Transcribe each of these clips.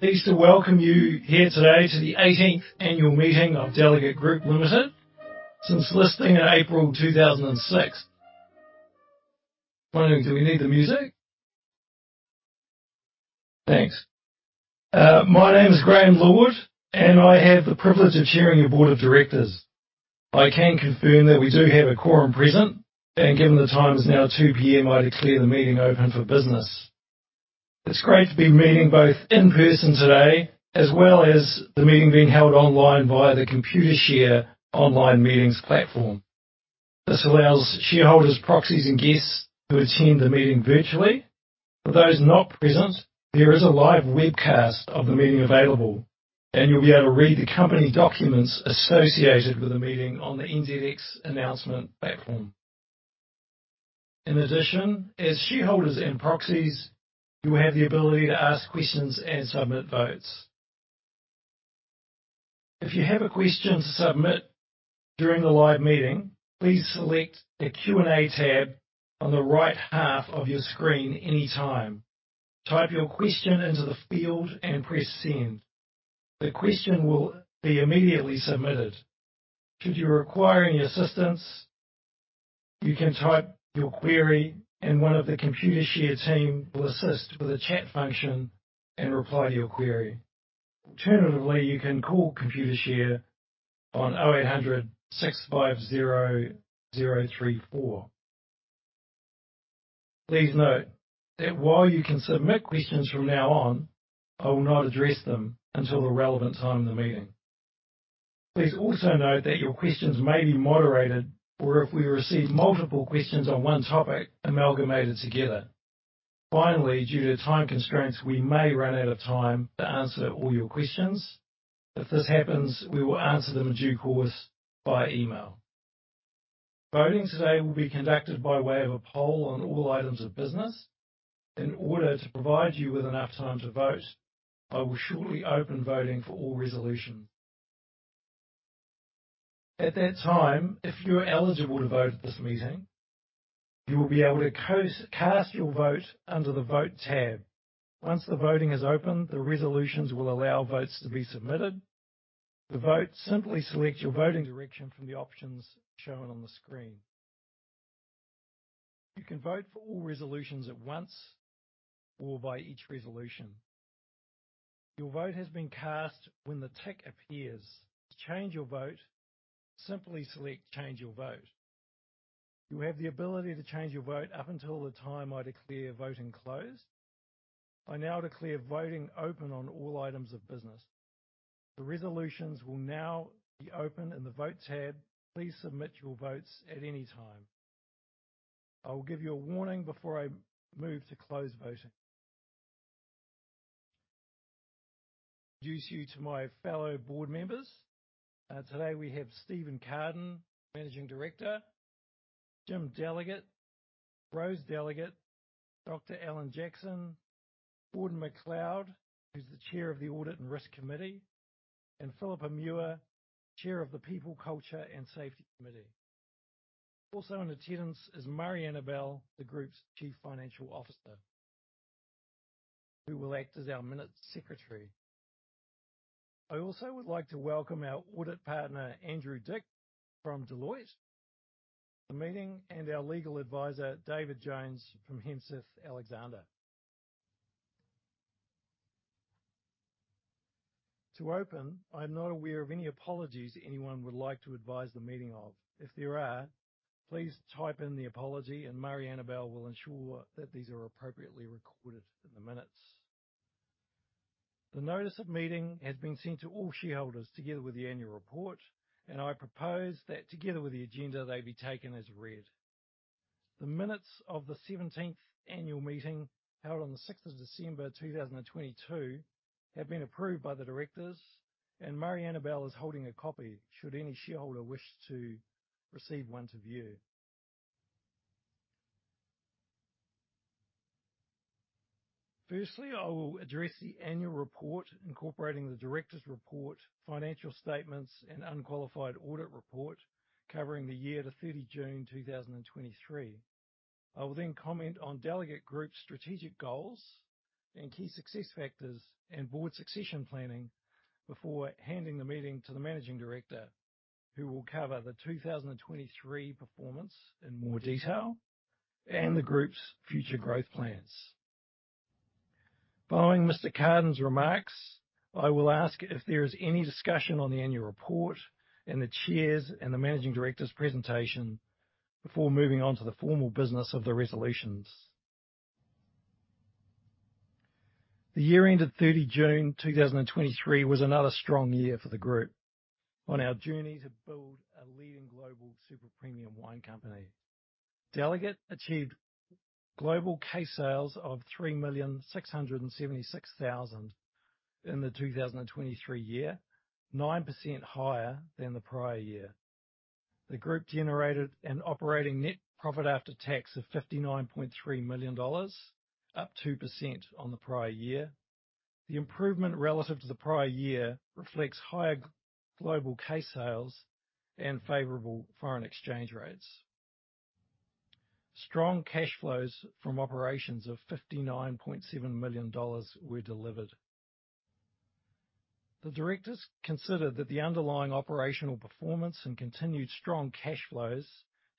Pleased to welcome you here today to the eighteenth annual meeting of Delegat Group Limited. Since listing in April 2006. Do we need the music? Thanks. My name is Graeme Lord, and I have the privilege of chairing your board of directors. I can confirm that we do have a quorum present, and given the time is now 2:00 P.M., I declare the meeting open for business. It's great to be meeting both in person today, as well as the meeting being held online via the Computershare Online Meetings platform. This allows shareholders, proxies, and guests to attend the meeting virtually. For those not present, there is a live webcast of the meeting available, and you'll be able to read the company documents associated with the meeting on the NZX Announcement platform. In addition, as shareholders and proxies, you have the ability to ask questions and submit votes. If you have a question to submit during the live meeting, please select the Q&A tab on the right half of your screen anytime. Type your question into the field and press Send. The question will be immediately submitted. Should you require any assistance, you can type your query, and one of the Computershare team will assist with the chat function and reply to your query. Alternatively, you can call Computershare on 0800 650 034. Please note that while you can submit questions from now on, I will not address them until the relevant time in the meeting. Please also note that your questions may be moderated, or if we receive multiple questions on one topic, amalgamated together. Finally, due to time constraints, we may run out of time to answer all your questions. If this happens, we will answer them in due course by email. Voting today will be conducted by way of a poll on all items of business. In order to provide you with enough time to vote, I will shortly open voting for all resolutions. At that time, if you're eligible to vote at this meeting, you will be able to cast your vote under the Vote tab. Once the voting is open, the resolutions will allow votes to be submitted. To vote, simply select your voting direction from the options shown on the screen. You can vote for all resolutions at once or by each resolution. Your vote has been cast when the tick appears. To change your vote, simply select Change your Vote. You have the ability to change your vote up until the time I declare voting closed. I now declare voting open on all items of business. The resolutions will now be open in the Vote tab. Please submit your votes at any time. I will give you a warning before I move to close voting. Introduce you to my fellow board members. Today we have Steven Carden, Managing Director, Jim Delegat, Rosemari Delegat, Dr. Alan Jackson, Gordon MacLeod, who's the Chair of the Audit and Risk Committee, and Phillipa Muir, Chair of the People, Culture, and Safety Committee. Also in attendance is Murray Annabell, the Group's Chief Financial Officer, who will act as our minute secretary. I also would like to welcome our audit partner, Andrew Dick, from Deloitte, the meeting, and our legal advisor, David Jones, from Heimsath Alexander. To open, I'm not aware of any apologies anyone would like to advise the meeting of. If there are, please type in the apology, and Murray Annabell will ensure that these are appropriately recorded in the minutes. The notice of meeting has been sent to all shareholders, together with the annual report, and I propose that together with the agenda, they be taken as read. The minutes of the seventeenth annual meeting, held on the sixth of December, 2022, have been approved by the directors, and Murray Annabell is holding a copy, should any shareholder wish to receive one to view. Firstly, I will address the annual report, incorporating the directors' report, financial statements, and unqualified audit report, covering the year to 30th June, 2023. I will then comment on Delegat Group's strategic goals and key success factors and board succession planning before handing the meeting to the Managing Director, who will cover the 2023 performance in more detail and the group's future growth plans. Following Mr. Carden's remarks, I will ask if there is any discussion on the annual report and the Chair's and the Managing Director's presentation before moving on to the formal business of the resolutions. The year ended 30th June 2023 was another strong year for the group on our journey to build a leading global super premium wine company. Delegat achieved global case sales of 3,676,000 in the 2023 year, 9% higher than the prior year. The group generated an operating net profit after tax of 59.3 million dollars, up 2% on the prior year. The improvement relative to the prior year reflects higher global case sales and favorable foreign exchange rates.... Strong cash flows from operations of 59.7 million dollars were delivered. The directors considered that the underlying operational performance and continued strong cash flows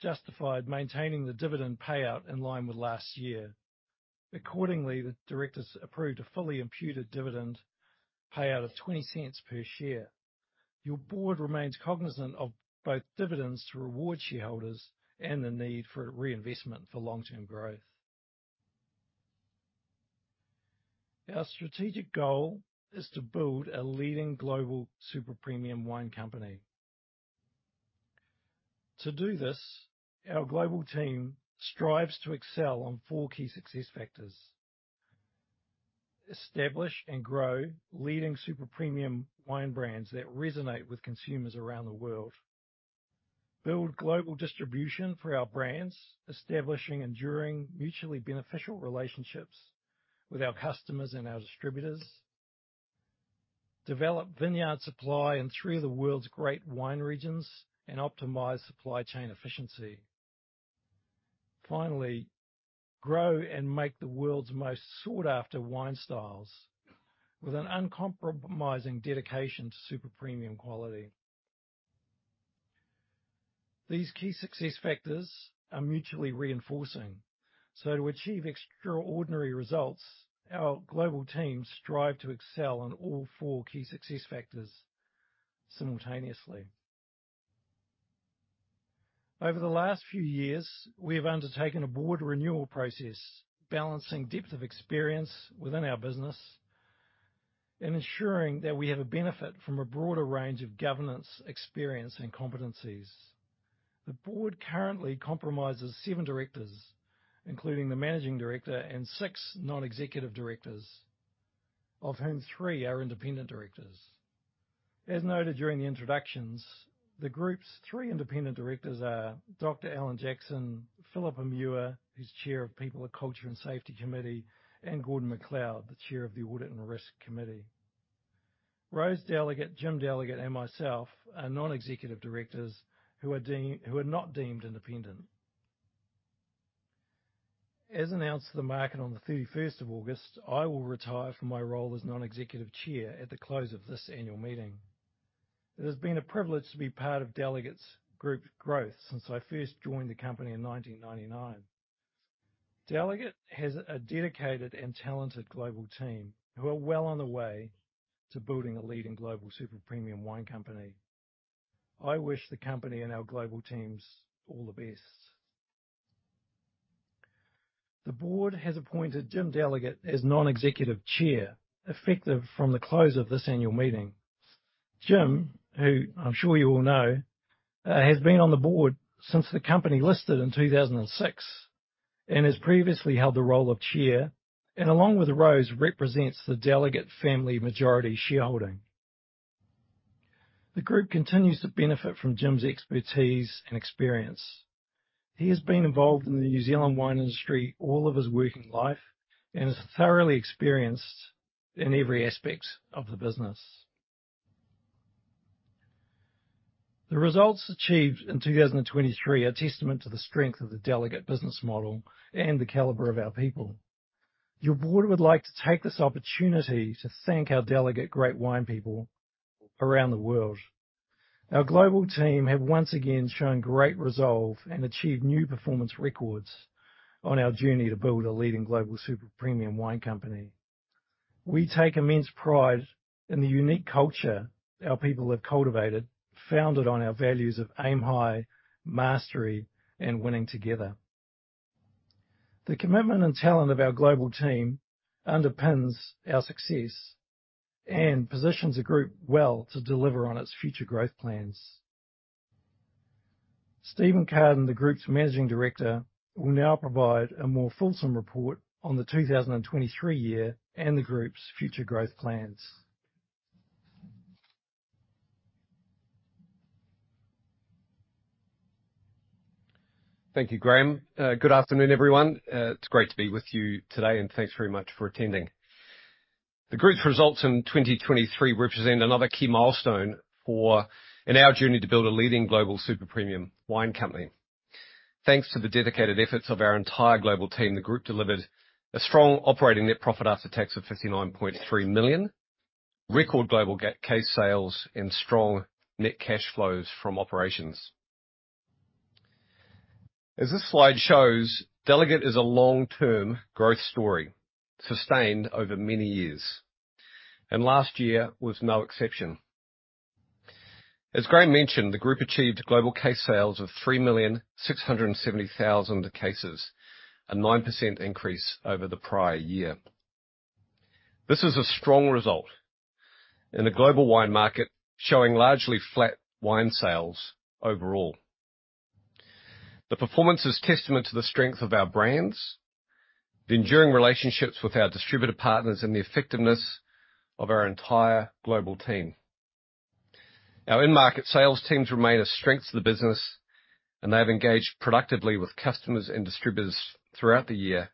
justified maintaining the dividend payout in line with last year. Accordingly, the directors approved a fully imputed dividend payout of 0.20 per share. Your board remains cognizant of both dividends to reward shareholders and the need for reinvestment for long-term growth. Our strategic goal is to build a leading global super premium wine company. To do this, our global team strives to excel on four key success factors: Establish and grow leading super premium wine brands that resonate with consumers around the world. Build global distribution for our brands, establishing enduring, mutually beneficial relationships with our customers and our distributors. Develop vineyard supply in three of the world's great wine regions and optimize supply chain efficiency. Finally, grow and make the world's most sought-after wine styles, with an uncompromising dedication to Super Premium quality. These key success factors are mutually reinforcing, so to achieve extraordinary results, our global teams strive to excel in all four key success factors simultaneously. Over the last few years, we have undertaken a board renewal process, balancing depth of experience within our business and ensuring that we have a benefit from a broader range of governance, experience, and competencies. The board currently comprises seven directors, including the managing director and six non-executive directors, of whom three are independent directors. As noted during the introductions, the Group's three independent directors are Dr. Alan Jackson, Phillipa Muir, who's chair of People, Culture, and Safety Committee, and Gordon MacLeod, the chair of the Audit and Risk Committee. Rosemari Delegat, Jim Delegat, and myself are non-executive directors who are not deemed independent. As announced to the market on the thirty-first of August, I will retire from my role as non-executive chair at the close of this annual meeting. It has been a privilege to be part of Delegat's group growth since I first joined the company in 1999. Delegat has a dedicated and talented global team who are well on the way to building a leading global super premium wine company. I wish the company and our global teams all the best. The board has appointed Jim Delegat as non-executive chair, effective from the close of this annual meeting. Jim, who I'm sure you all know, has been on the board since the company listed in 2006, and has previously held the role of chair, and along with Rose, represents the Delegat family majority shareholding. The group continues to benefit from Jim's expertise and experience. He has been involved in the New Zealand wine industry all of his working life and is thoroughly experienced in every aspect of the business. The results achieved in 2023 are testament to the strength of the Delegat business model and the caliber of our people. Your board would like to take this opportunity to thank our Delegat Great Wine People around the world. Our global team have once again shown great resolve and achieved new performance records on our journey to build a leading global super premium wine company. We take immense pride in the unique culture our people have cultivated, founded on our values of aim high, mastery, and winning together. The commitment and talent of our global team underpins our success and positions the group well to deliver on its future growth plans. Steven Carden, the Group's Managing Director, will now provide a more fulsome report on the 2023 year and the Group's future growth plans. Thank you, Graeme. Good afternoon, everyone. It's great to be with you today, and thanks very much for attending. The group's results in 2023 represent another key milestone for in our journey to build a leading global super premium wine company. Thanks to the dedicated efforts of our entire global team, the group delivered a strong operating net profit after tax of 59.3 million, record global case sales, and strong net cash flows from operations. As this slide shows, Delegat is a long-term growth story, sustained over many years, and last year was no exception. As Graeme mentioned, the group achieved global case sales of 3,670,000 cases, a 9% increase over the prior year. This is a strong result in the global wine market, showing largely flat wine sales overall. The performance is testament to the strength of our brands, the enduring relationships with our distributor partners, and the effectiveness of our entire global team. Our in-market sales teams remain a strength to the business, and they've engaged productively with customers and distributors throughout the year,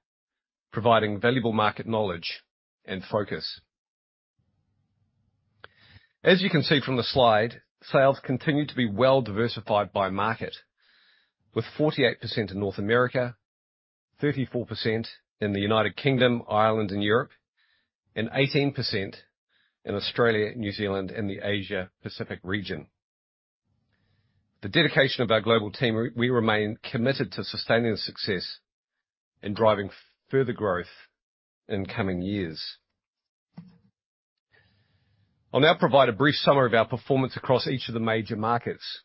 providing valuable market knowledge and focus.... As you can see from the slide, sales continue to be well-diversified by market, with 48% in North America, 34% in the United Kingdom, Ireland, and Europe, and 18% in Australia, New Zealand, and the Asia Pacific region. The dedication of our global team, we remain committed to sustaining success and driving further growth in coming years. I'll now provide a brief summary of our performance across each of the major markets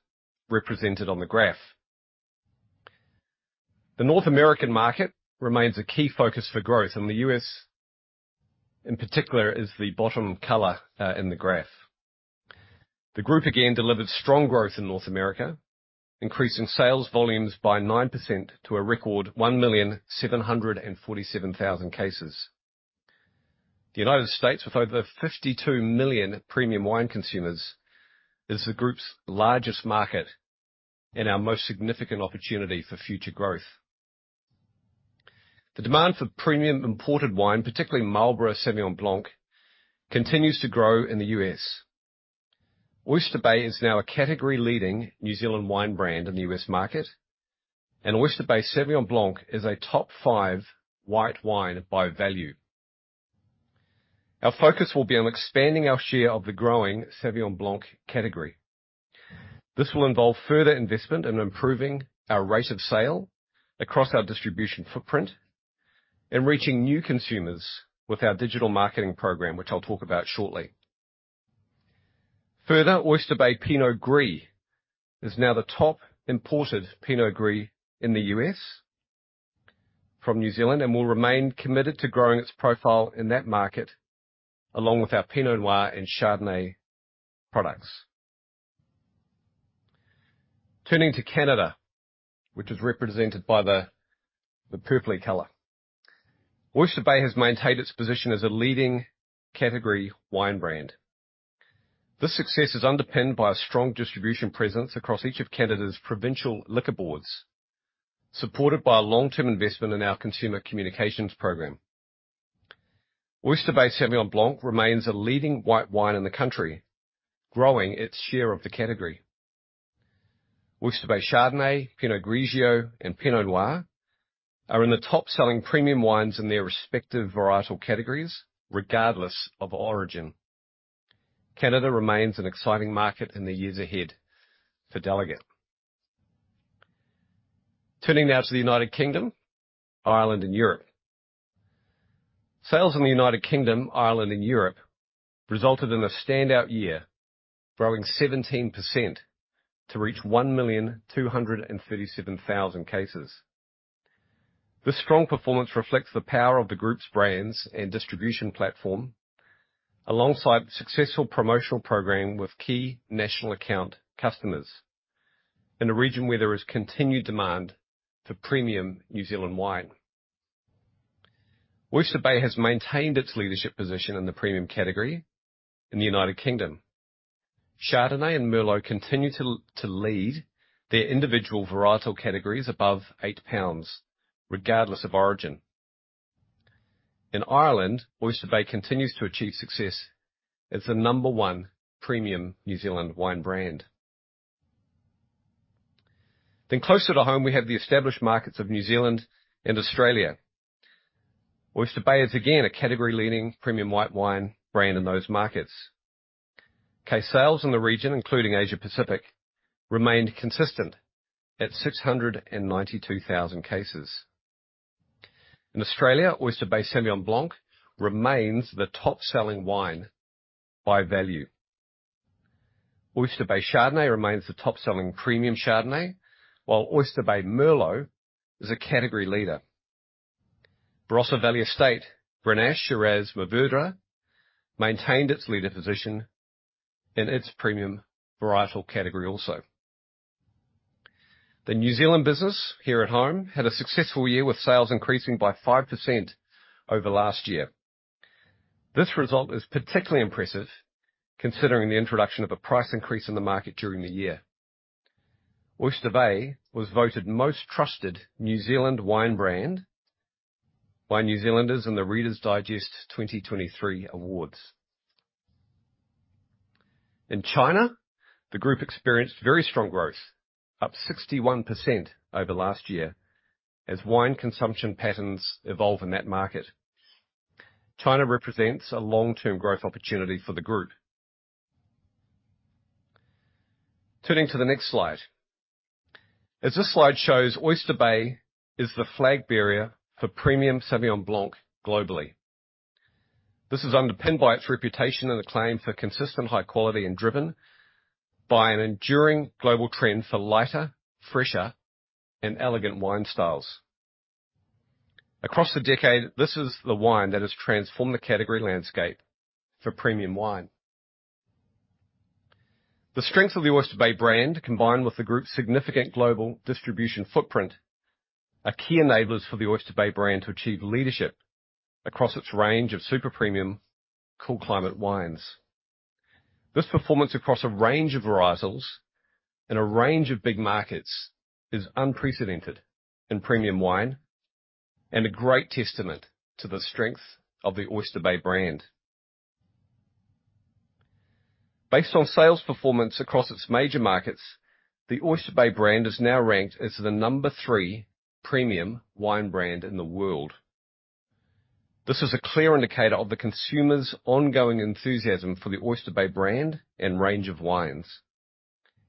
represented on the graph. The North American market remains a key focus for growth, and the U.S., in particular, is the bottom color, in the graph. The group again delivered strong growth in North America, increasing sales volumes by 9% to a record 1,747,000 cases. The United States, with over 52 million premium wine consumers, is the group's largest market and our most significant opportunity for future growth. The demand for premium imported wine, particularly Marlborough Sauvignon Blanc, continues to grow in the U.S. Oyster Bay is now a category-leading New Zealand wine brand in the U.S. market, and Oyster Bay Sauvignon Blanc is a top five white wine by value. Our focus will be on expanding our share of the growing Sauvignon Blanc category. This will involve further investment in improving our rate of sale across our distribution footprint and reaching new consumers with our digital marketing program, which I'll talk about shortly. Further, Oyster Bay Pinot Gris is now the top imported Pinot Gris in the U.S. from New Zealand, and we'll remain committed to growing its profile in that market, along with our Pinot Noir and Chardonnay products. Turning to Canada, which is represented by the purple-y color. Oyster Bay has maintained its position as a leading category wine brand. This success is underpinned by a strong distribution presence across each of Canada's provincial liquor boards, supported by a long-term investment in our consumer communications program. Oyster Bay Sauvignon Blanc remains a leading white wine in the country, growing its share of the category. Oyster Bay Chardonnay, Pinot Gris, and Pinot Noir are in the top-selling premium wines in their respective varietal categories, regardless of origin. Canada remains an exciting market in the years ahead for Delegat. Turning now to the United Kingdom, Ireland, and Europe. Sales in the United Kingdom, Ireland, and Europe resulted in a standout year, growing 17% to reach 1,237,000 cases. This strong performance reflects the power of the group's brands and distribution platform, alongside the successful promotional program with key national account customers, in a region where there is continued demand for premium New Zealand wine. Oyster Bay has maintained its leadership position in the premium category in the United Kingdom. Chardonnay and Merlot continue to lead their individual varietal categories above 8 pounds, regardless of origin. In Ireland, Oyster Bay continues to achieve success as the number one premium New Zealand wine brand. Closer to home, we have the established markets of New Zealand and Australia. Oyster Bay is again a category-leading premium white wine brand in those markets. Case sales in the region, including Asia Pacific, remained consistent at 692,000 cases. In Australia, Oyster Bay Sauvignon Blanc remains the top-selling wine by value. Oyster Bay Chardonnay remains the top-selling premium Chardonnay, while Oyster Bay Merlot is a category leader. Barossa Valley Estate Grenache Shiraz Mourvèdre maintained its leader position in its premium varietal category also. The New Zealand business, here at home, had a successful year, with sales increasing by 5% over last year. This result is particularly impressive, considering the introduction of a price increase in the market during the year. Oyster Bay was voted most trusted New Zealand wine brand by New Zealanders in the Reader's Digest 2023 awards. In China, the group experienced very strong growth, up 61% over last year, as wine consumption patterns evolve in that market. China represents a long-term growth opportunity for the group. Turning to the next slide. As this slide shows, Oyster Bay is the flagbearer for premium Sauvignon Blanc globally. This is underpinned by its reputation and acclaim for consistent high quality, and driven by an enduring global trend for lighter, fresher, and elegant wine styles. Across the decade, this is the wine that has transformed the category landscape for premium wine. The strength of the Oyster Bay brand, combined with the group's significant global distribution footprint, are key enablers for the Oyster Bay brand to achieve leadership across its range of Super Premium, cool climate wines. This performance across a range of varietals and a range of big markets is unprecedented in premium wine and a great testament to the strength of the Oyster Bay brand. Based on sales performance across its major markets, the Oyster Bay brand is now ranked as the number three premium wine brand in the world. This is a clear indicator of the consumer's ongoing enthusiasm for the Oyster Bay brand and range of wines.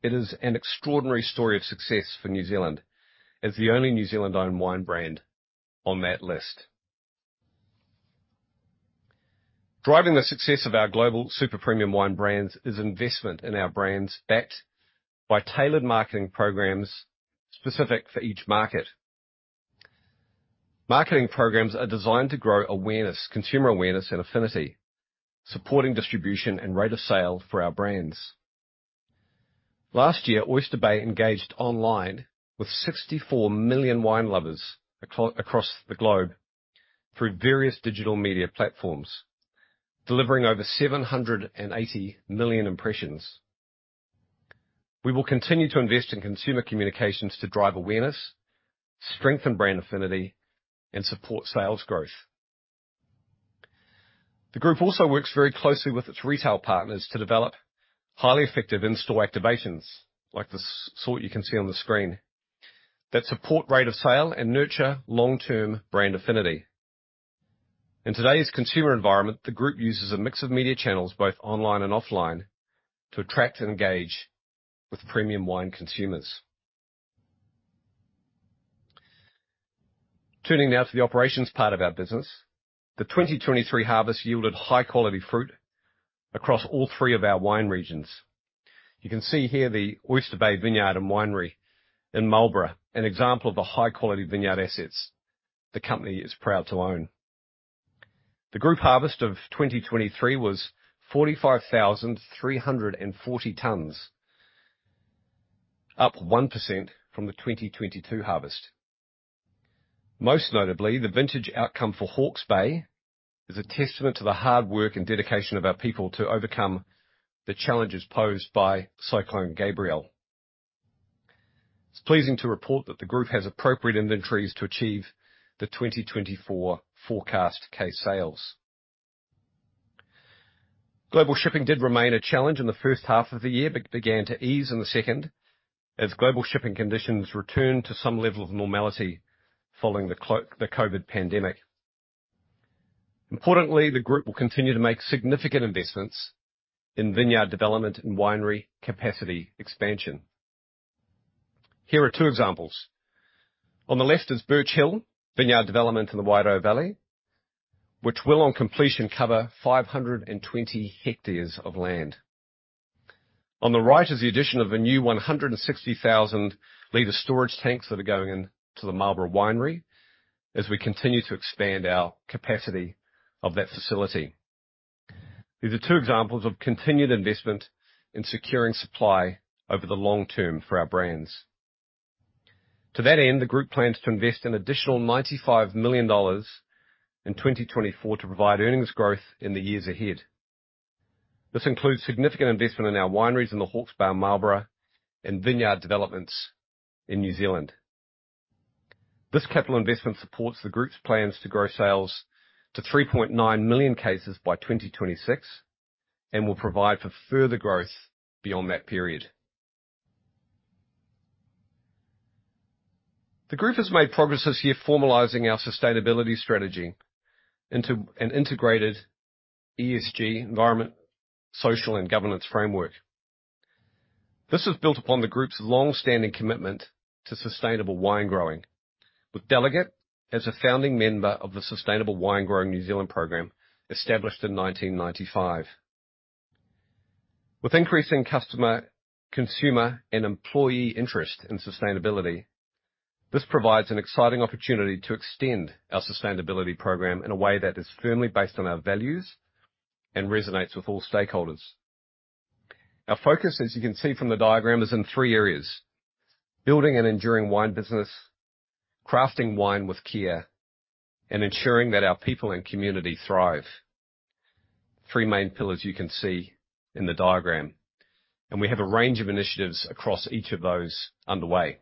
It is an extraordinary story of success for New Zealand, as the only New Zealand-owned wine brand on that list. Driving the success of our global Super Premium wine brands is investment in our brands, backed by tailored marketing programs specific for each market. Marketing programs are designed to grow awareness, consumer awareness, and affinity, supporting distribution and rate of sale for our brands. Last year, Oyster Bay engaged online with 64 million wine lovers across the globe through various digital media platforms, delivering over 780 million impressions. We will continue to invest in consumer communications to drive awareness, strengthen brand affinity, and support sales growth. The group also works very closely with its retail partners to develop highly effective in-store activations, like the sort you can see on the screen, that support rate of sale and nurture long-term brand affinity. In today's consumer environment, the group uses a mix of media channels, both online and offline, to attract and engage with premium wine consumers. Turning now to the operations part of our business. The 2023 harvest yielded high-quality fruit across all three of our wine regions. You can see here the Oyster Bay Vineyard and Winery in Marlborough, an example of the high-quality vineyard assets the company is proud to own. The group harvest of 2023 was 45,340 tons, up 1% from the 2022 harvest. Most notably, the vintage outcome for Hawke's Bay is a testament to the hard work and dedication of our people to overcome the challenges posed by Cyclone Gabrielle. It's pleasing to report that the group has appropriate inventories to achieve the 2024 forecast case sales. Global shipping did remain a challenge in the first half of the year, but began to ease in the second, as global shipping conditions returned to some level of normality following the COVID pandemic. Importantly, the group will continue to make significant investments in vineyard development and winery capacity expansion. Here are two examples. On the left is Birch Hill Vineyard development in the Wairau Valley, which will, on completion, cover 520 hectares of land. On the right is the addition of a new 160,000-liter storage tanks that are going into the Marlborough Winery as we continue to expand our capacity of that facility. These are two examples of continued investment in securing supply over the long term for our brands. To that end, the group plans to invest an additional 95 million dollars in 2024 to provide earnings growth in the years ahead. This includes significant investment in our wineries in the Hawke's Bay, Marlborough, and vineyard developments in New Zealand. This capital investment supports the group's plans to grow sales to 3.9 million cases by 2026, and will provide for further growth beyond that period. The group has made progress this year formalizing our sustainability strategy into an integrated ESG (Environmental, Social and Governance) framework. This is built upon the group's long-standing commitment to sustainable wine growing, with Delegat as a founding member of the Sustainable Winegrowing New Zealand program, established in 1995. With increasing customer, consumer, and employee interest in sustainability, this provides an exciting opportunity to extend our sustainability program in a way that is firmly based on our values and resonates with all stakeholders. Our focus, as you can see from the diagram, is in three areas: building an enduring wine business, crafting wine with care, and ensuring that our people and community thrive. Three main pillars you can see in the diagram, and we have a range of initiatives across each of those underway.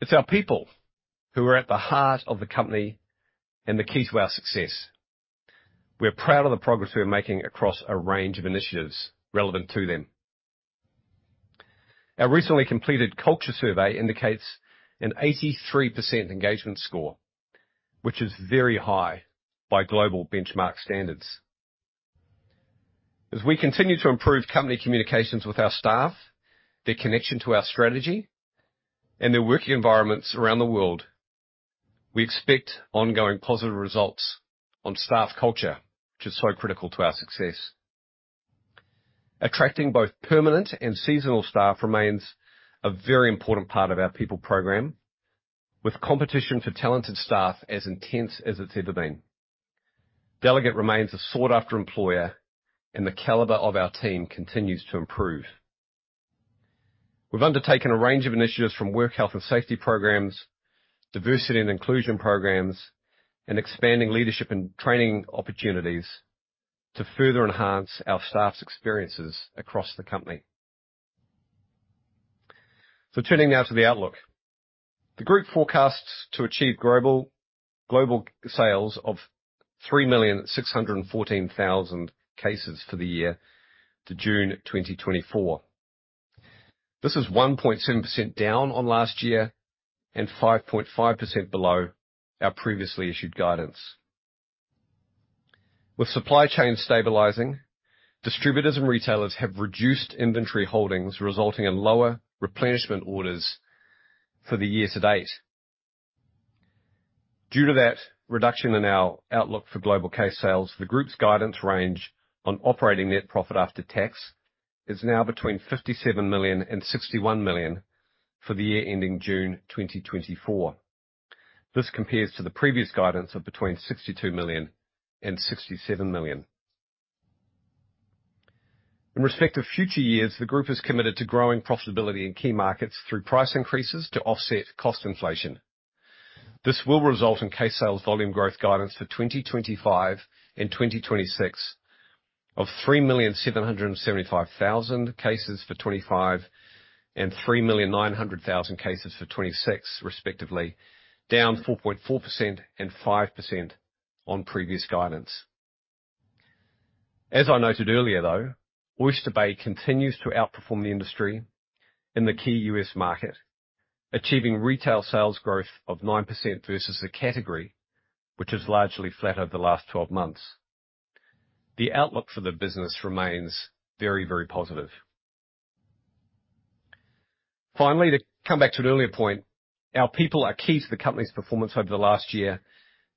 It's our people who are at the heart of the company and the key to our success. We're proud of the progress we are making across a range of initiatives relevant to them. Our recently completed culture survey indicates an 83% engagement score, which is very high by global benchmark standards. As we continue to improve company communications with our staff, their connection to our strategy, and their working environments around the world, we expect ongoing positive results on staff culture, which is so critical to our success. Attracting both permanent and seasonal staff remains a very important part of our people program, with competition for talented staff as intense as it's ever been. Delegat remains a sought-after employer, and the caliber of our team continues to improve. We've undertaken a range of initiatives, from work health and safety programs, diversity and inclusion programs, and expanding leadership and training opportunities, to further enhance our staff's experiences across the company. So turning now to the outlook. The group forecasts to achieve global, global sales of 3,614,000 cases for the year to June 2024. This is 1.7% down on last year and 5.5% below our previously issued guidance. With supply chain stabilizing, distributors and retailers have reduced inventory holdings, resulting in lower replenishment orders for the year to date. Due to that reduction in our outlook for global case sales, the group's guidance range on operating net profit after tax is now between 57 million and 61 million for the year ending June 2024. This compares to the previous guidance of between 62 million and 67 million. In respect of future years, the group is committed to growing profitability in key markets through price increases to offset cost inflation. This will result in case sales volume growth guidance for 2025 and 2026 of 3,775,000 cases for 2025, and 3,900,000 cases for 2026 respectively, down 4.4% and 5% on previous guidance. As I noted earlier, though, Oyster Bay continues to outperform the industry in the key U.S. market, achieving retail sales growth of 9% versus the category, which is largely flat over the last 12 months. The outlook for the business remains very, very positive. Finally, to come back to an earlier point, our people are key to the company's performance over the last year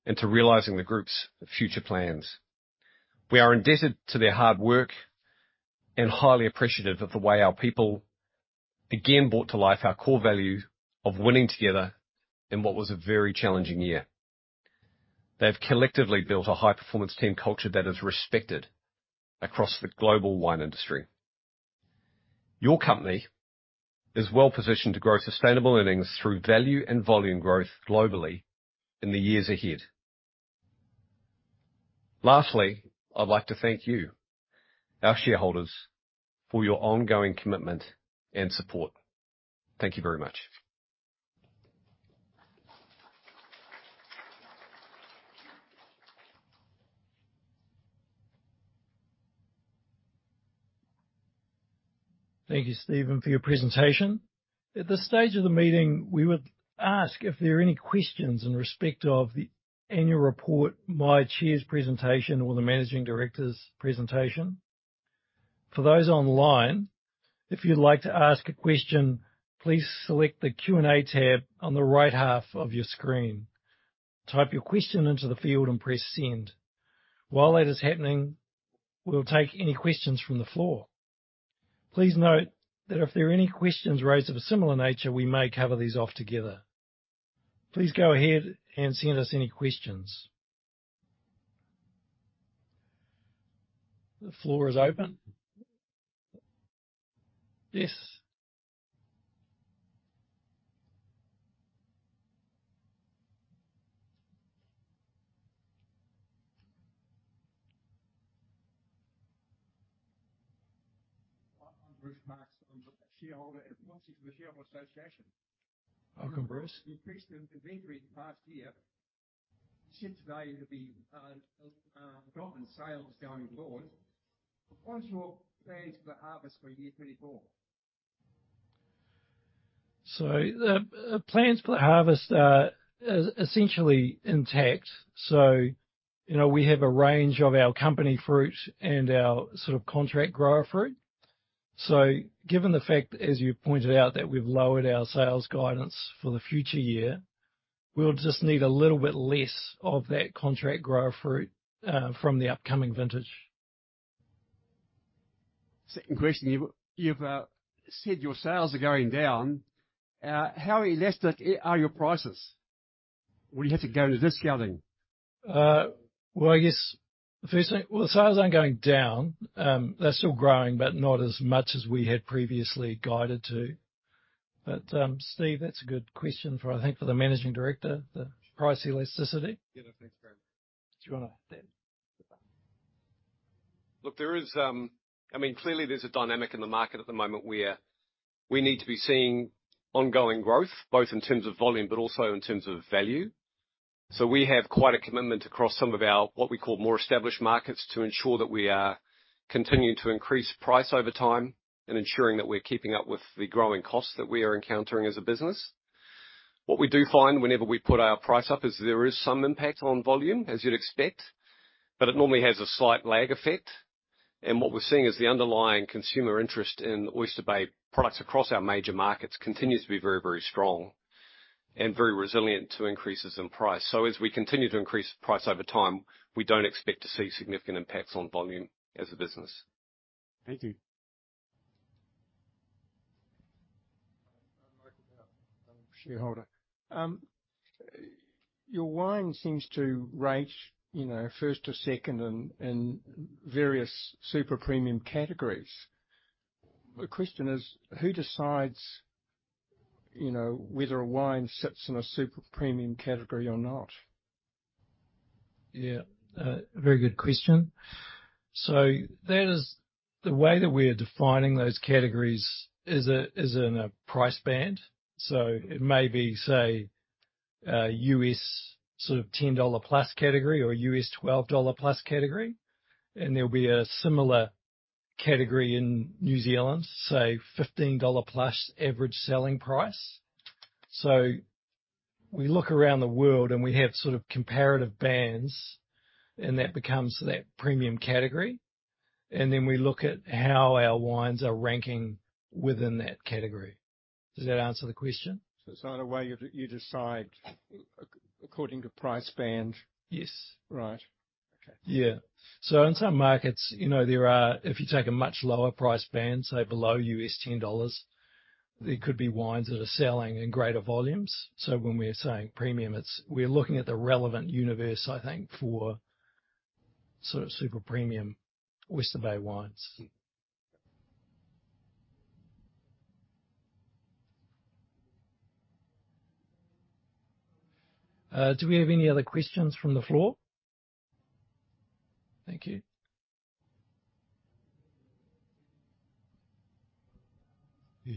and to realizing the group's future plans. We are indebted to their hard work and highly appreciative of the way our people again brought to life our core value of winning together in what was a very challenging year. They've collectively built a high-performance team culture that is respected across the global wine industry. Your company is well positioned to grow sustainable earnings through value and volume growth globally in the years ahead. Lastly, I'd like to thank you, our shareholders, for your ongoing commitment and support. Thank you very much. Thank you, Steven, for your presentation. At this stage of the meeting, we would ask if there are any questions in respect of the annual report, my chair's presentation or the managing director's presentation. For those online, if you'd like to ask a question, please select the Q&A tab on the right half of your screen. Type your question into the field and press Send. While that is happening, we'll take any questions from the floor. Please note that if there are any questions raised of a similar nature, we may cover these off together. Please go ahead and send us any questions. The floor is open. Yes? I'm Bruce Marks, I'm a shareholder and proxy for the Shareholder Association. Welcome, Bruce. The increase in inventory in the past year seems value to be a drop in sales going forward. What's your plans for harvest for year 2024? So the plans for harvest are essentially intact. So, you know, we have a range of our company fruit and our sort of contract grower fruit. So given the fact, as you pointed out, that we've lowered our sales guidance for the future year, we'll just need a little bit less of that contract grower fruit from the upcoming vintage. Second question. You've said your sales are going down. How elastic are your prices? Will you have to go to discounting? Well, the sales aren't going down. They're still growing, but not as much as we had previously guided to. But, Steve, that's a good question for, I think, for the Managing Director, the price elasticity. Yeah. Thanks, Graeme. Do you wanna- Yeah. Look, there is... I mean, clearly there's a dynamic in the market at the moment where we need to be seeing ongoing growth, both in terms of volume, but also in terms of value. So we have quite a commitment across some of our, what we call, more established markets, to ensure that we are continuing to increase price over time and ensuring that we're keeping up with the growing costs that we are encountering as a business. What we do find whenever we put our price up, is there is some impact on volume, as you'd expect, but it normally has a slight lag effect. And what we're seeing is the underlying consumer interest in Oyster Bay products across our major markets continues to be very, very strong and very resilient to increases in price. As we continue to increase price over time, we don't expect to see significant impacts on volume as a business. Thank you. Michael Powell, I'm a shareholder. Your wine seems to rate, you know, first or second in various Super Premium categories. The question is, who decides, you know, whether a wine sits in a Super Premium category or not?... Yeah, very good question. So that is, the way that we are defining those categories is in a price band. So it may be, say, a U.S. sort of $10+ category or $12+ category, and there'll be a similar category in New Zealand, say, 15+ dollar average selling price. So we look around the world, and we have sort of comparative bands, and that becomes that premium category, and then we look at how our wines are ranking within that category. Does that answer the question? So is that a way you decide according to price band? Yes. Right. Okay. Yeah. So in some markets, you know, there are, if you take a much lower price band, say below $10, there could be wines that are selling in greater volumes. So when we're saying premium, it's, we're looking at the relevant universe, I think, for sort of super premium Oyster Bay wines. Do we have any other questions from the floor? Thank you.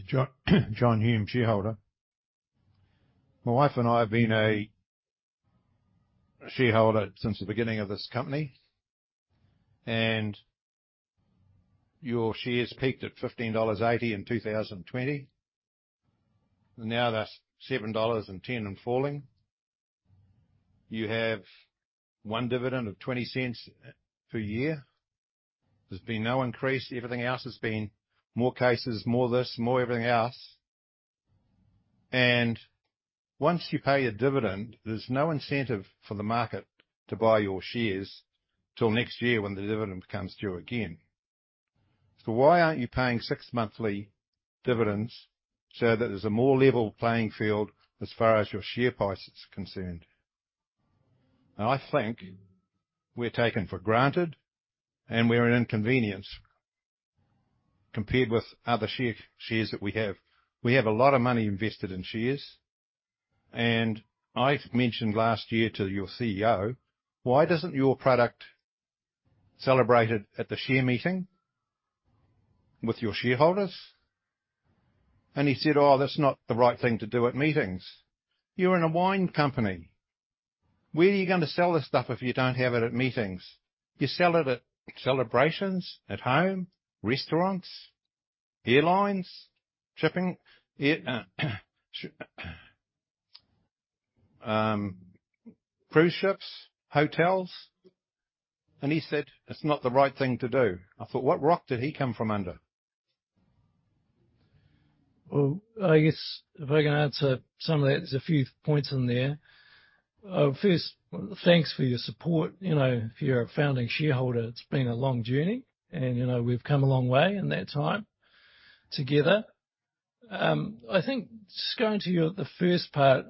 John, John Hume, shareholder. My wife and I have been a shareholder since the beginning of this company, and your shares peaked at 15.80 dollars in 2020, and now that's 7.10 dollars and falling. You have one dividend of 0.20 per year. There's been no increase. Everything else has been more cases, more this, more everything else, and once you pay a dividend, there's no incentive for the market to buy your shares till next year when the dividend becomes due again. So why aren't you paying six-monthly dividends so that there's a more level playing field as far as your share price is concerned? And I think we're taken for granted, and we're an inconvenience compared with other share, shares that we have. We have a lot of money invested in shares, and I've mentioned last year to your CEO, "Why isn't your product celebrated at the share meeting with your shareholders?" And he said, "Oh, that's not the right thing to do at meetings." You're in a wine company. Where are you gonna sell this stuff if you don't have it at meetings? You sell it at celebrations, at home, restaurants, airlines, shipping, air, cruise ships, hotels. And he said, "It's not the right thing to do." I thought, "What rock did he come from under? Well, I guess if I can answer some of that, there's a few points in there. First, thanks for your support. You know, if you're a founding shareholder, it's been a long journey, and, you know, we've come a long way in that time together. I think just going to your—the first part,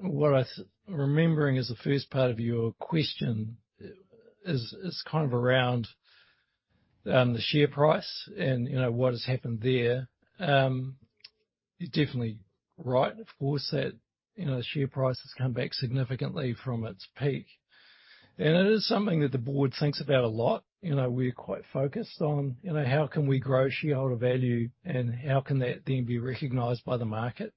Remembering is the first part of your question, is kind of around, the share price and, you know, what has happened there. You're definitely right. Of course, that, you know, the share price has come back significantly from its peak, and it is something that the board thinks about a lot. You know, we're quite focused on, you know, how can we grow shareholder value, and how can that then be recognized by the market?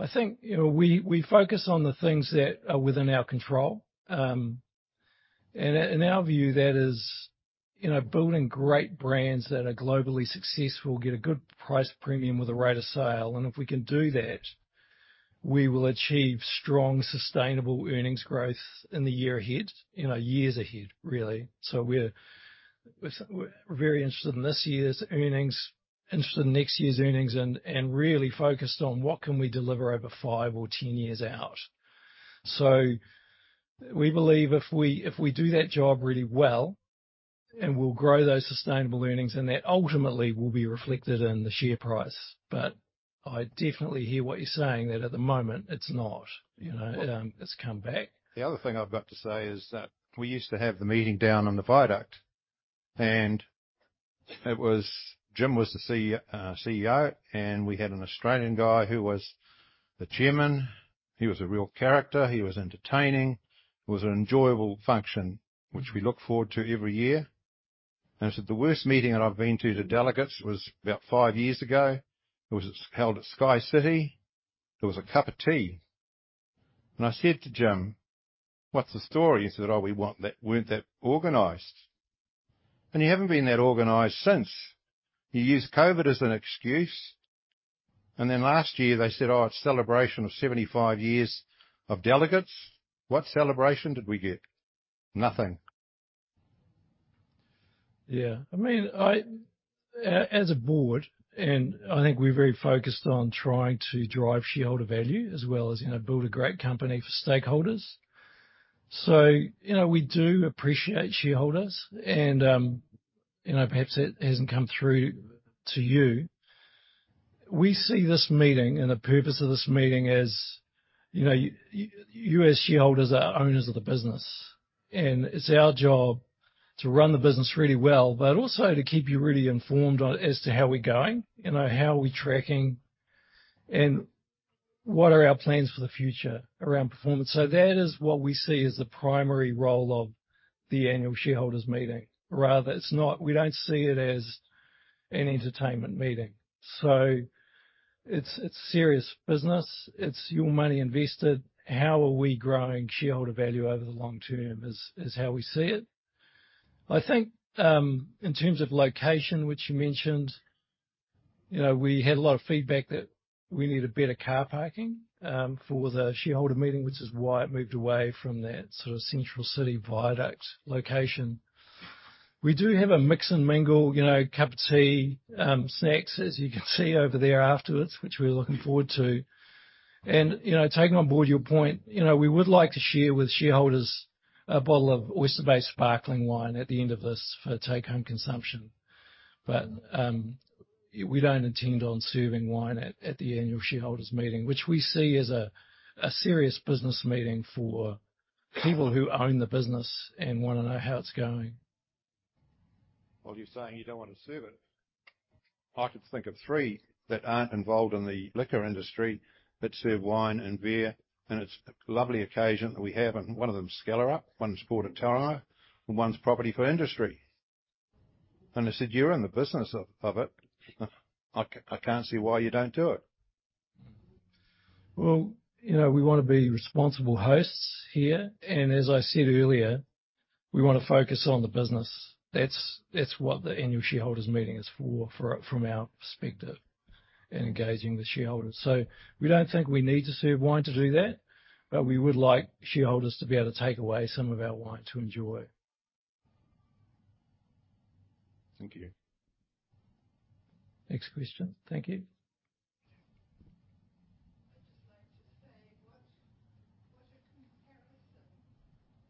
I think, you know, we focus on the things that are within our control, and in our view, that is, you know, building great brands that are globally successful, get a good price premium with a rate of sale, and if we can do that, we will achieve strong, sustainable earnings growth in the year ahead, you know, years ahead, really. So we're very interested in this year's earnings, interested in next year's earnings, and really focused on what we can deliver over five or 10 years out. So we believe if we do that job really well, and we'll grow those sustainable earnings, and that ultimately will be reflected in the share price. But I definitely hear what you're saying, that at the moment, it's not, you know, it's come back. The other thing I've got to say is that we used to have the meeting down on the viaduct, and it was... Jim was the CEO, and we had an Australian guy who was the chairman. He was a real character. He was entertaining. It was an enjoyable function, which we looked forward to every year. I said, "The worst meeting that I've been to, to Delegat, was about five years ago. It was held at Sky City. There was a cup of tea." And I said to Jim, "What's the story?" He said, "Oh, we weren't that organized." And you haven't been that organized since. You used COVID as an excuse, and then last year they said, "Oh, it's celebration of 75 years of Delegat." What celebration did we get? Nothing. Yeah, I mean, as a board, and I think we're very focused on trying to drive shareholder value as well as, you know, build a great company for stakeholders. So, you know, we do appreciate shareholders and, you know, perhaps it hasn't come through to you. We see this meeting, and the purpose of this meeting as, you know, you as shareholders are owners of the business, and it's our job to run the business really well, but also to keep you really informed on as to how we're going, you know, how we're tracking. And what are our plans for the future around performance? So that is what we see as the primary role of the annual shareholders meeting. Rather, it's not. We don't see it as an entertainment meeting, so it's, it's serious business. It's your money invested. How are we growing shareholder value over the long term, is how we see it. I think, in terms of location, which you mentioned, you know, we had a lot of feedback that we need a better car parking, for the shareholder meeting, which is why it moved away from that sort of central city viaduct location. We do have a mix and mingle, you know, cup of tea, snacks, as you can see over there afterwards, which we're looking forward to. You know, taking on board your point, you know, we would like to share with shareholders a bottle of Oyster Bay sparkling wine at the end of this for take-home consumption. We don't intend on serving wine at the annual shareholders meeting, which we see as a serious business meeting for people who own the business and wanna know how it's going. Well, you're saying you don't want to serve it. I could think of three that aren't involved in the liquor industry, but serve wine and beer, and it's a lovely occasion that we have, and one of them is Skellerup, one is Port of Tauranga, and one's Property for Industry. And I said, "You're in the business of it. I can't see why you don't do it. Well, you know, we want to be responsible hosts here, and as I said earlier, we want to focus on the business. That's what the annual shareholders meeting is for, from our perspective, and engaging the shareholders. So we don't think we need to serve wine to do that, but we would like shareholders to be able to take away some of our wine to enjoy. Thank you. Next question. Thank you.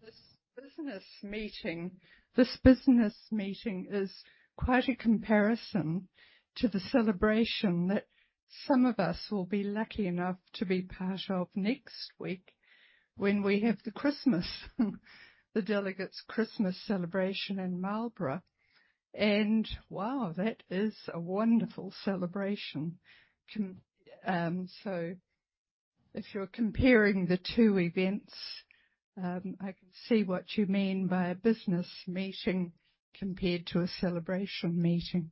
I'd just like to say, what a comparison. This business meeting is quite a comparison to the celebration that some of us will be lucky enough to be part of next week when we have the Christmas, the Delegat's Christmas celebration in Marlborough. And wow, that is a wonderful celebration. So if you're comparing the two events, I can see what you mean by a business meeting compared to a celebration meeting.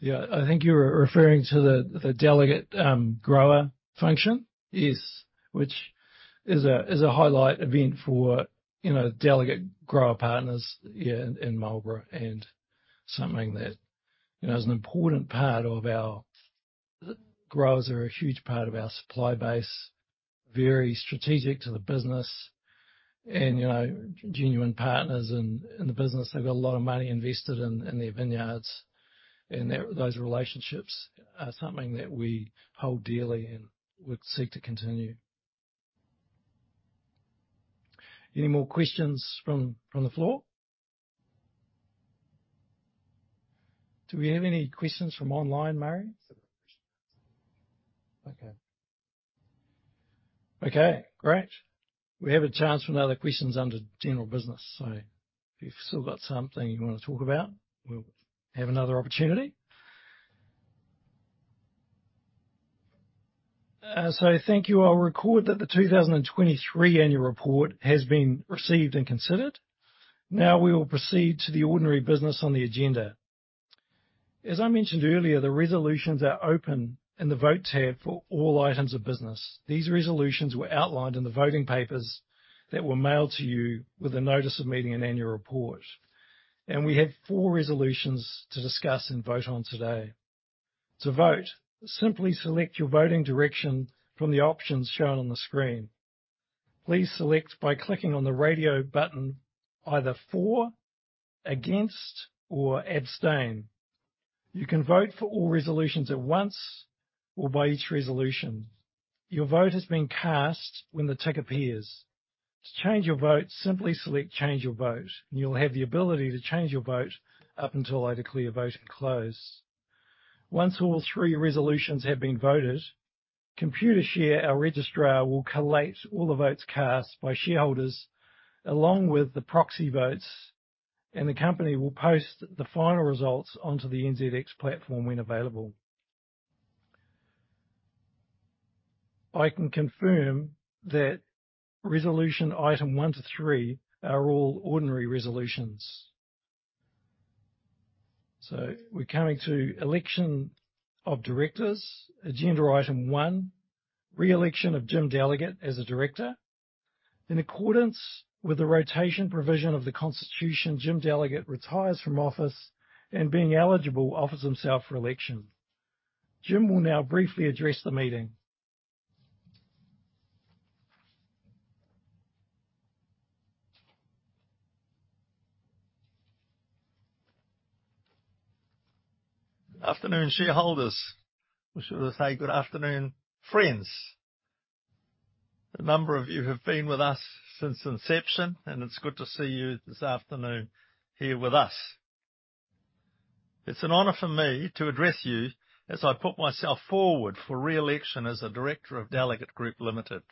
Yeah, I think you're referring to the Delegat grower function. Yes, which is a highlight event for, you know, Delegat grower partners here in Marlborough, and something that, you know, is an important part of our... Growers are a huge part of our supply base, very strategic to the business and, you know, genuine partners in the business. They've got a lot of money invested in their vineyards, and those relationships are something that we hold dearly and would seek to continue. Any more questions from the floor? Do we have any questions from online, Murray? Several questions. Okay. Okay, great. We have a chance for another questions under general business, so if you've still got something you want to talk about, we'll have another opportunity. So thank you. I'll record that the 2023 annual report has been received and considered. Now, we will proceed to the ordinary business on the agenda. As I mentioned earlier, the resolutions are open in the Vote tab for all items of business. These resolutions were outlined in the voting papers that were mailed to you with a notice of meeting and annual report, and we have four resolutions to discuss and vote on today. To vote, simply select your voting direction from the options shown on the screen. Please select by clicking on the radio button, either For, Against, or Abstain. You can vote for all resolutions at once or by each resolution. Your vote has been cast when the tick appears. To change your vote, simply select Change Your Vote, and you'll have the ability to change your vote up until I declare voting closed. Once all three resolutions have been voted, Computershare, our registrar, will collate all the votes cast by shareholders, along with the proxy votes, and the company will post the final results onto the NZX platform when available. I can confirm that resolution item one to three are all ordinary resolutions. We're coming to election of directors. Agenda item one, re-election of Jim Delegat as a director. In accordance with the rotation provision of the constitution, Jim Delegat retires from office and, being eligible, offers himself for re-election. Jim will now briefly address the meeting. Good afternoon, shareholders. We should also say good afternoon, friends. A number of you have been with us since inception, and it's good to see you this afternoon here with us. It's an honor for me to address you as I put myself forward for re-election as a director of Delegat Group Limited....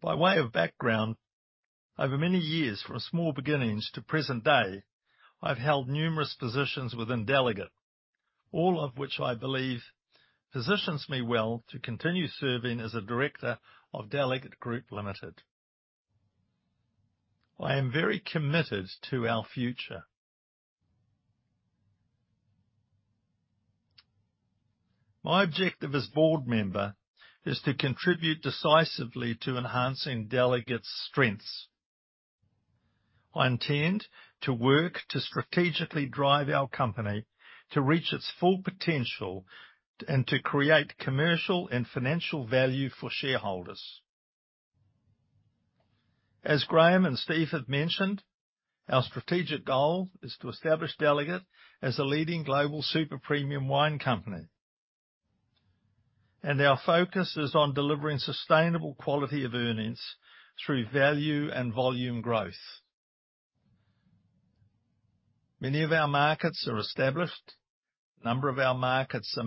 By way of background, over many years, from small beginnings to present day, I've held numerous positions within Delegat, all of which I believe positions me well to continue serving as a director of Delegat Group Limited. I am very committed to our future. My objective as board member is to contribute decisively to enhancing Delegat's strengths. I intend to work to strategically drive our company to reach its full potential and to create commercial and financial value for shareholders. As Graeme and Steven have mentioned, our strategic goal is to establish Delegat as a leading global super premium wine company, and our focus is on delivering sustainable quality of earnings through value and volume growth. Many of our markets are established. A number of our markets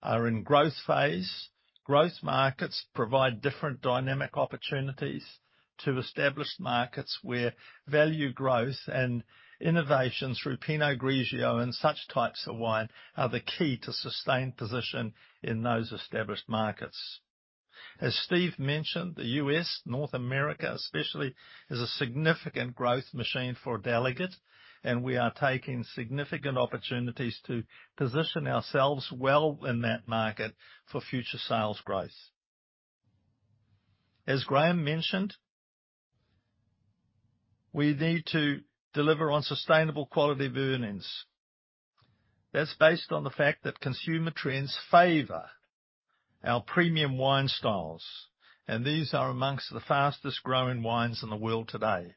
are in growth phase. Growth markets provide different dynamic opportunities to established markets, where value growth and innovation through Pinot Grigio and such types of wine are the key to sustained position in those established markets. As Steven mentioned, the U.S., North America especially, is a significant growth machine for Delegat, and we are taking significant opportunities to position ourselves well in that market for future sales growth. As Graeme mentioned, we need to deliver on sustainable quality of earnings. That's based on the fact that consumer trends favor our premium wine styles, and these are among the fastest growing wines in the world today.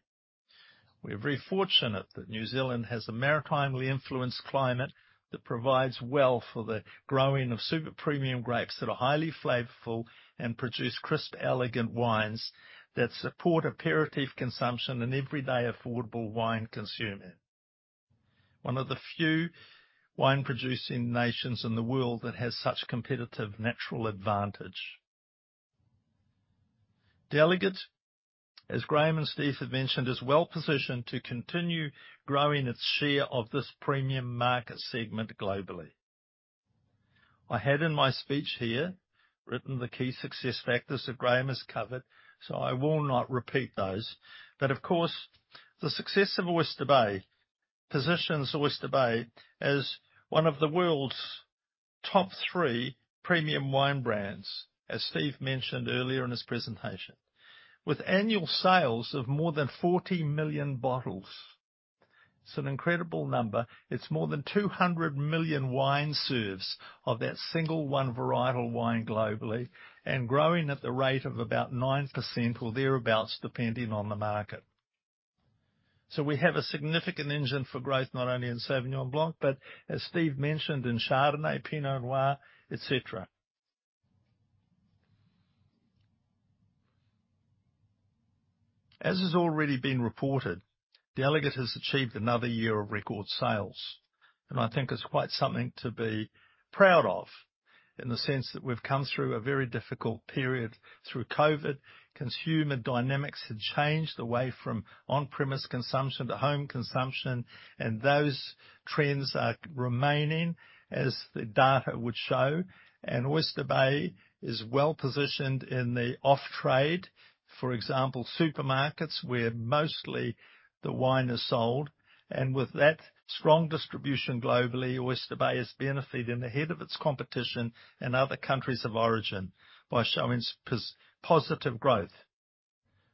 We're very fortunate that New Zealand has a maritimately influenced climate that provides well for the growing of super premium grapes that are highly flavorful and produce crisp, elegant wines that support aperitif consumption and everyday affordable wine consuming. One of the few wine-producing nations in the world that has such competitive natural advantage. Delegat, as Graham and Steve have mentioned, is well-positioned to continue growing its share of this premium market segment globally. I had in my speech here, written the key success factors that Graham has covered, so I will not repeat those. But of course, the success of Oyster Bay positions Oyster Bay as one of the world's top three premium wine brands, as Steve mentioned earlier in his presentation, with annual sales of more than 40 million bottles. It's an incredible number. It's more than 200 million wine serves of that single one varietal wine globally, and growing at the rate of about 9% or thereabouts, depending on the market. So we have a significant engine for growth, not only in Sauvignon Blanc, but as Steve mentioned, in Chardonnay, Pinot Noir, et cetera. As has already been reported, Delegat has achieved another year of record sales, and I think it's quite something to be proud of in the sense that we've come through a very difficult period through COVID. Consumer dynamics have changed away from on-premise consumption to home consumption, and those trends are remaining, as the data would show. Oyster Bay is well-positioned in the off trade, for example, supermarkets, where mostly the wine is sold. And with that strong distribution globally, Oyster Bay has benefited ahead of its competition in other countries of origin by showing positive growth.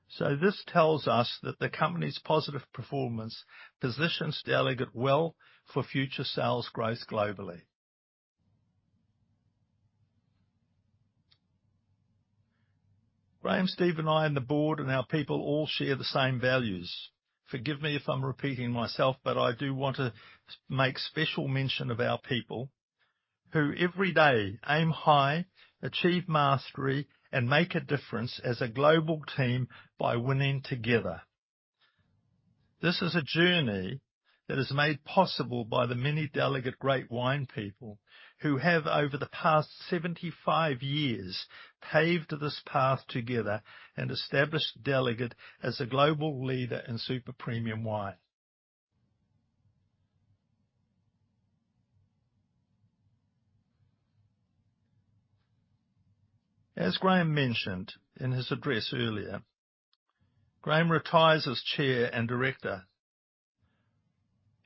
So this tells us that the company's positive performance positions Delegat well for future sales growth globally. Graeme, Steve, and I, and the board, and our people all share the same values. Forgive me if I'm repeating myself, but I do want to make special mention of our people, who every day aim high, achieve mastery, and make a difference as a global team by winning together. This is a journey that is made possible by the many Delegat Great Wine people, who have, over the past 75 years, paved this path together and established Delegat as a global leader in super premium wine. As Graeme mentioned in his address earlier, Graeme retires as chair and director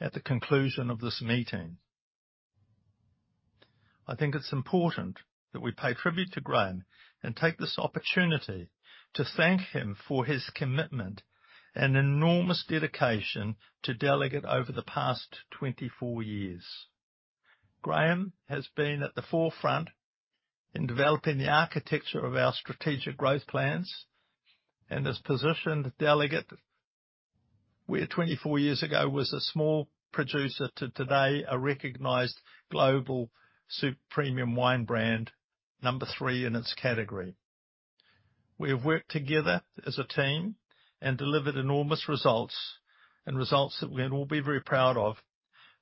at the conclusion of this meeting. I think it's important that we pay tribute to Graeme and take this opportunity to thank him for his commitment and enormous dedication to Delegat over the past 24 years. Graeme has been at the forefront in developing the architecture of our strategic growth plans and has positioned Delegat, where 24 years ago, was a small producer, to today, a recognized global super premium wine brand, number three in its category. We have worked together as a team and delivered enormous results and results that we can all be very proud of....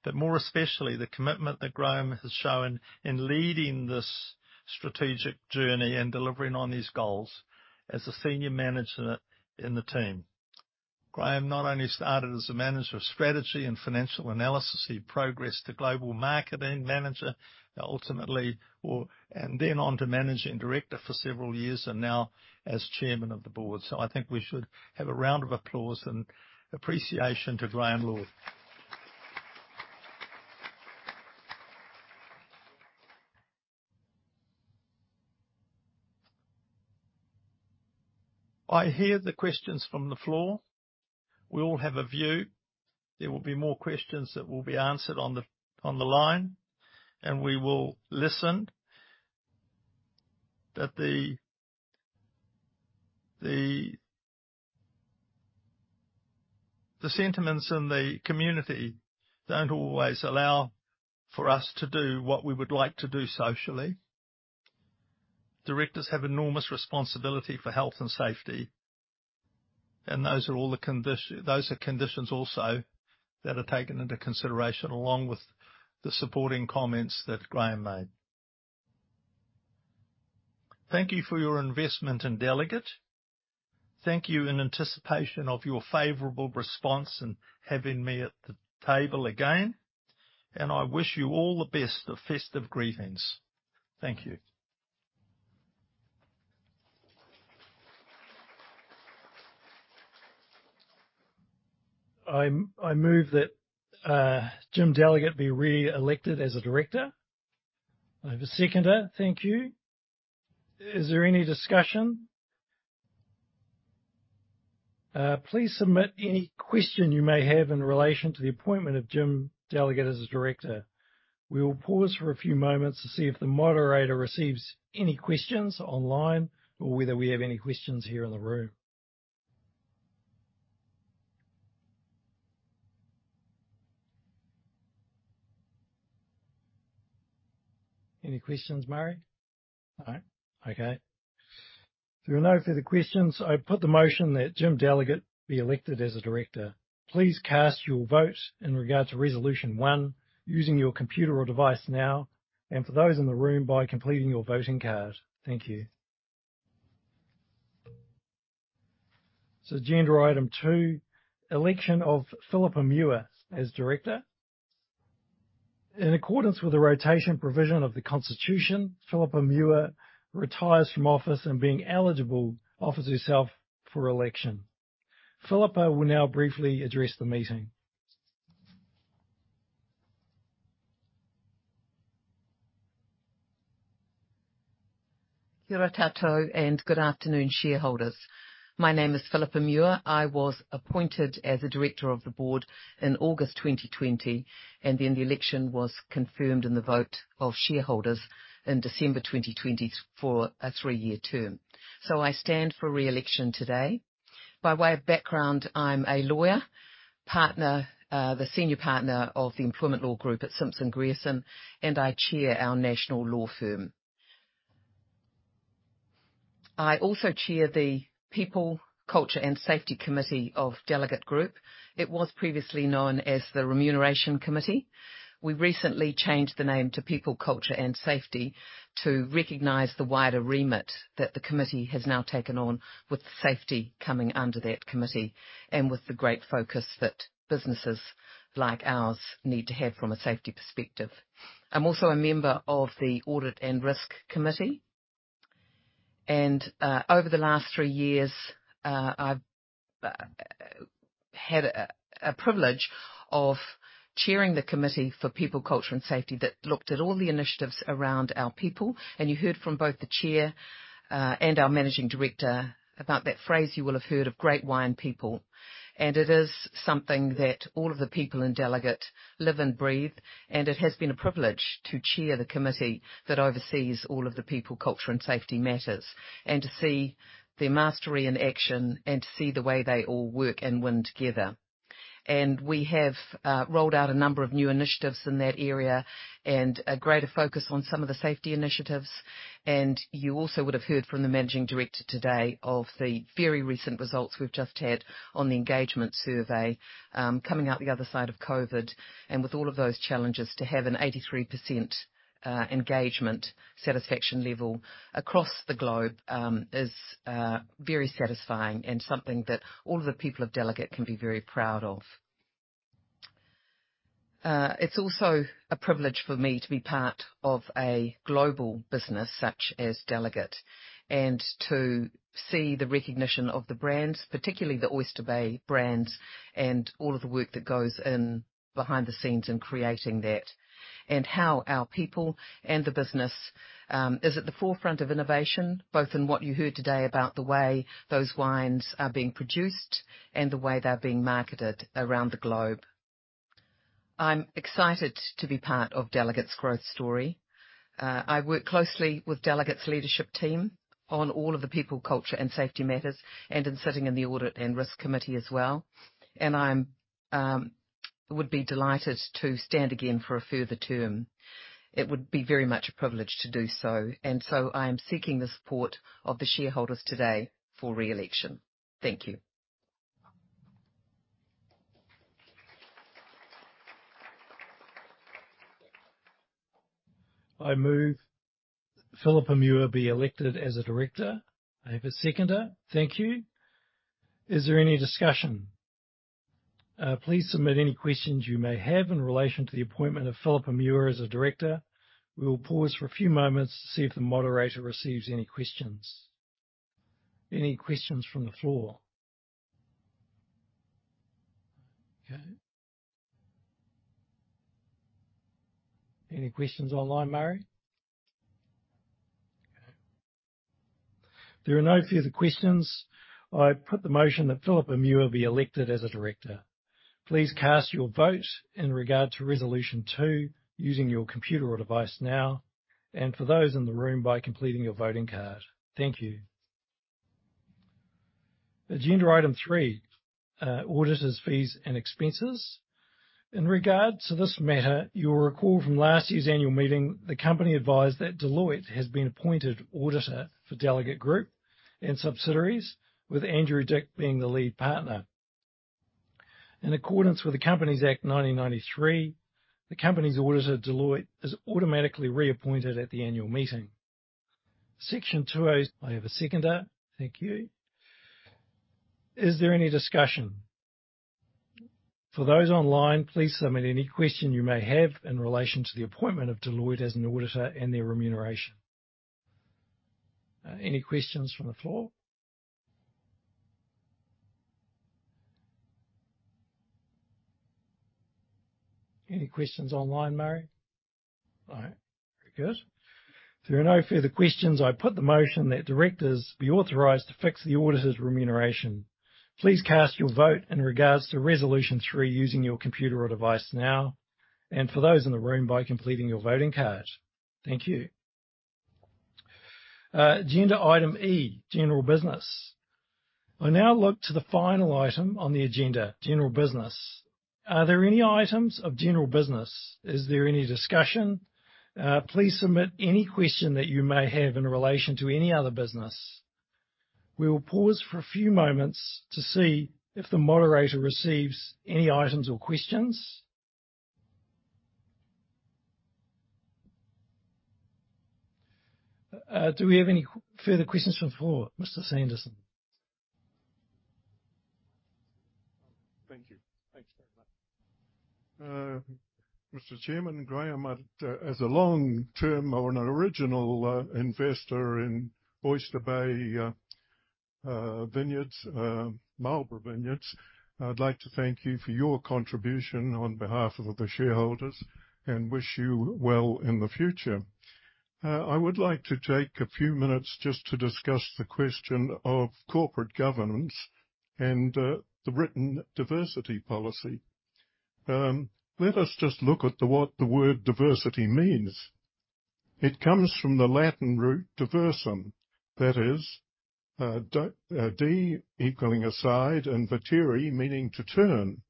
But more especially, the commitment that Graeme has shown in leading this strategic journey and delivering on these goals as a senior manager in the team. Graeme not only started as a manager of strategy and financial analysis, he progressed to global marketing manager, ultimately and then on to managing director for several years, and now as chairman of the board. So I think we should have a round of applause and appreciation to Graeme Lord. I hear the questions from the floor. We all have a view. There will be more questions that will be answered on the line, and we will listen. But the sentiments in the community don't always allow for us to do what we would like to do socially. Directors have enormous responsibility for health and safety, and those are all the conditions. Those are conditions also that are taken into consideration, along with the supporting comments that Graeme made. Thank you for your investment in Delegat. Thank you in anticipation of your favorable response in having me at the table again, and I wish you all the best of festive greetings. Thank you. I move that Jim Delegat be re-elected as a director. I have a seconder. Thank you. Is there any discussion? Please submit any question you may have in relation to the appointment of Jim Delegat as a director. We will pause for a few moments to see if the moderator receives any questions online or whether we have any questions here in the room. Any questions, Rosemari? No. Okay. There are no further questions. I put the motion that Jim Delegat be elected as a director. Please cast your vote in regard to resolution one, using your computer or device now, and for those in the room, by completing your voting card. Thank you. Agenda item two: election of Phillipa Muir as director. In accordance with the rotation provision of the Constitution, Phillipa Muir retires from office and, being eligible, offers herself for election. Phillipa will now briefly address the meeting. Kia ora tatou, and good afternoon, shareholders. My name is Phillipa Muir. I was appointed as a director of the board in August 2020, and then the election was confirmed in the vote of shareholders in December 2020 for a three-year term. I stand for re-election today. By way of background, I'm a lawyer, partner, the senior partner of the Employment Law Group at Simpson Grierson, and I chair our national law firm. I also chair the People, Culture, and Safety Committee of Delegat Group. It was previously known as the Remuneration Committee. We recently changed the name to People, Culture, and Safety to recognize the wider remit that the committee has now taken on, with safety coming under that committee, and with the great focus that businesses like ours need to have from a safety perspective. I'm also a member of the Audit and Risk Committee, and over the last three years, I've had a privilege of chairing the Committee for People, Culture, and Safety that looked at all the initiatives around our people. You heard from both the chair and our Managing Director about that phrase you will have heard of Great Wine People, and it is something that all of the people in Delegat live and breathe. It has been a privilege to chair the committee that oversees all of the people, culture, and safety matters, and to see their mastery in action and to see the way they all work and win together. We have rolled out a number of new initiatives in that area and a greater focus on some of the safety initiatives. You also would have heard from the Managing Director today of the very recent results we've just had on the engagement survey. Coming out the other side of COVID, and with all of those challenges, to have an 83% engagement satisfaction level across the globe, is very satisfying and something that all of the people of Delegat can be very proud of. It's also a privilege for me to be part of a global business such as Delegat, and to see the recognition of the brands, particularly the Oyster Bay brands, and all of the work that goes in behind the scenes in creating that. And how our people and the business is at the forefront of innovation, both in what you heard today about the way those wines are being produced and the way they're being marketed around the globe. I'm excited to be part of Delegat's growth story. I work closely with Delegat's leadership team on all of the people, culture, and safety matters, and in sitting in the Audit and Risk Committee as well. I would be delighted to stand again for a further term. It would be very much a privilege to do so, and so I am seeking the support of the shareholders today for re-election.... Thank you. I move Phillipa Muir be elected as a director. I have a seconder? Thank you. Is there any discussion? Please submit any questions you may have in relation to the appointment of Phillipa Muir as a director. We will pause for a few moments to see if the moderator receives any questions. Any questions from the floor? Okay. Any questions online, Murray? Okay. If there are no further questions, I put the motion that Phillipa Muir be elected as a director. Please cast your vote in regard to Resolution Two using your computer or device now, and for those in the room, by completing your voting card. Thank you. Agenda Item three, Auditors Fees and Expenses. In regards to this matter, you'll recall from last year's annual meeting, the company advised that Deloitte has been appointed auditor for Delegat Group and subsidiaries, with Andrew Dick being the lead partner. In accordance with the Companies Act 1993, the company's auditor, Deloitte, is automatically reappointed at the annual meeting. I have a seconder. Thank you. Is there any discussion? For those online, please submit any question you may have in relation to the appointment of Deloitte as an auditor and their remuneration. Any questions from the floor? Any questions online, Murray? All right. Very good. If there are no further questions, I put the motion that directors be authorized to fix the auditor's remuneration. Please cast your vote in regards to Resolution 3, using your computer or device now, and for those in the room, by completing your voting card. Thank you. Agenda Item E, General Business. I now look to the final item on the agenda, General Business. Are there any items of general business? Is there any discussion? Please submit any question that you may have in relation to any other business. We will pause for a few moments to see if the moderator receives any items or questions. Do we have any further questions from the floor, Mr. Sanderson? Thank you. Thanks very much. Mr. Chairman Graeme, as a long-term or an original investor in Oyster Bay Vineyards, Marlborough Vineyards, I'd like to thank you for your contribution on behalf of the shareholders and wish you well in the future. I would like to take a few minutes just to discuss the question of corporate governance and the written diversity policy. Let us just look at what the word diversity means. It comes from the Latin root diversum, that is, d equaling aside, and vertere, meaning to turn.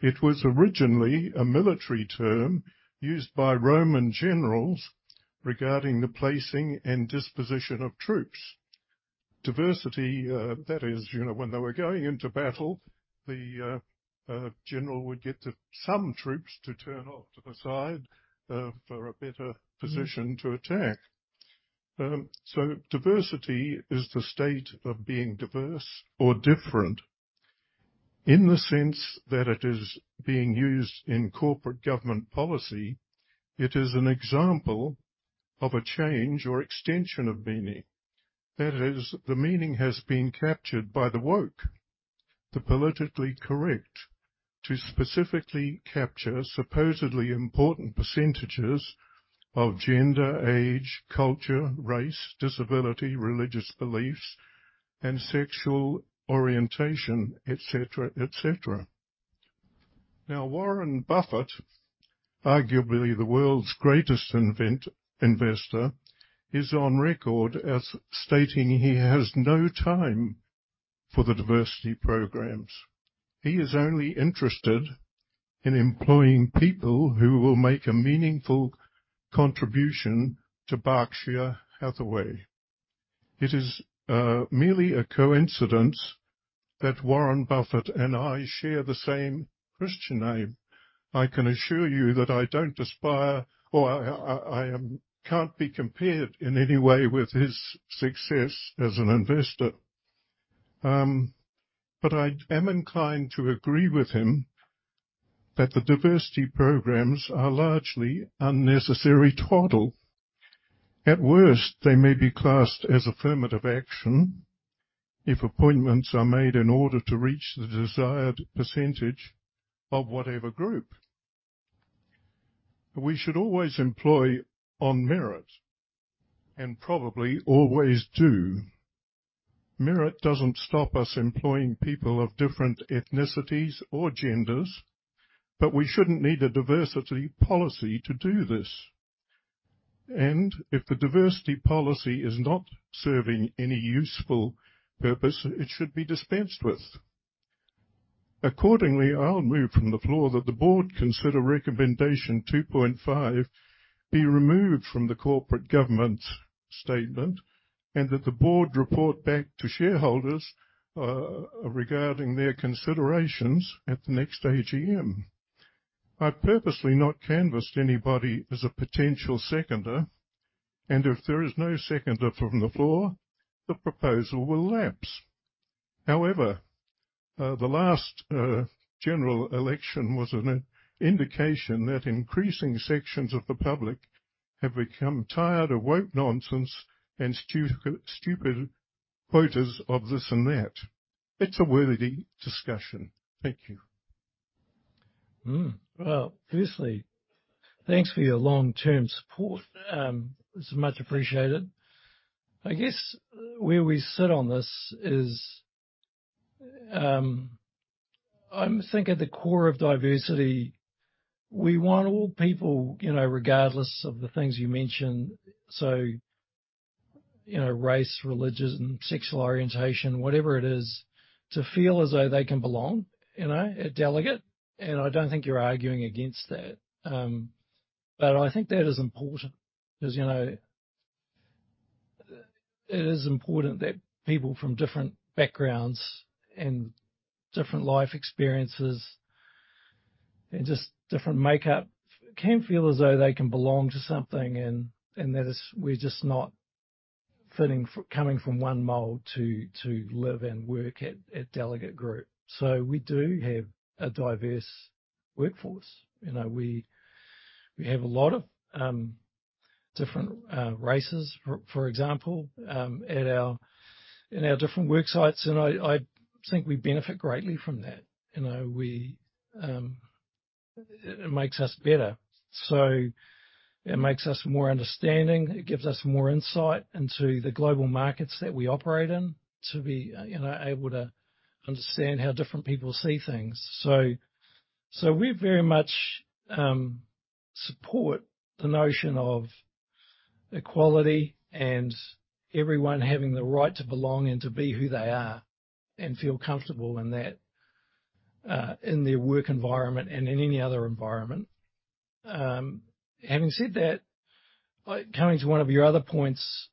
It was originally a military term used by Roman generals regarding the placing and disposition of troops. Diversity, that is, you know, when they were going into battle, the general would get to some troops to turn off to the side for a better position to attack. So diversity is the state of being diverse or different. In the sense that it is being used in corporate government policy, it is an example of a change or extension of meaning. That is, the meaning has been captured by the woke, the politically correct, to specifically capture supposedly important percentages of gender, age, culture, race, disability, religious beliefs, and sexual orientation, et cetera, et cetera. Now, Warren Buffett, arguably the world's greatest investor, is on record as stating he has no time for the diversity programs. He is only interested in employing people who will make a meaningful contribution to Berkshire Hathaway. It is merely a coincidence that Warren Buffett and I share the same Christian name. I can assure you that I don't aspire or can't be compared in any way with his success as an investor. But I am inclined to agree with him that the diversity programs are largely unnecessary twaddle. At worst, they may be classed as affirmative action if appointments are made in order to reach the desired percentage of whatever group. We should always employ on merit, and probably always do. Merit doesn't stop us employing people of different ethnicities or genders, but we shouldn't need a diversity policy to do this. And if a diversity policy is not serving any useful purpose, it should be dispensed with. Accordingly, I'll move from the floor that the board consider recommendation 2.5 be removed from the corporate governance statement, and that the board report back to shareholders regarding their considerations at the next AGM. I've purposely not canvassed anybody as a potential seconder, and if there is no seconder from the floor, the proposal will lapse. However, the last general election was an indication that increasing sections of the public have become tired of woke nonsense and stupid quotas of this and that. It's a worthy discussion. Thank you. Well, firstly, thanks for your long-term support. It's much appreciated. I guess where we sit on this is, I think at the core of diversity, we want all people, you know, regardless of the things you mentioned, so, you know, race, religion, sexual orientation, whatever it is, to feel as though they can belong, you know, at Delegat, and I don't think you're arguing against that. But I think that is important 'cause, you know, it is important that people from different backgrounds and different life experiences and just different makeup can feel as though they can belong to something, and that is we're just not fitting, coming from one mold to live and work at Delegat Group. So we do have a diverse workforce. You know, we have a lot of different races, for example, in our different work sites, and I think we benefit greatly from that. You know, it makes us better. So it makes us more understanding, it gives us more insight into the global markets that we operate in, to be able to understand how different people see things. So we very much support the notion of equality and everyone having the right to belong and to be who they are, and feel comfortable in that, in their work environment and in any other environment. Having said that, coming to one of your other points,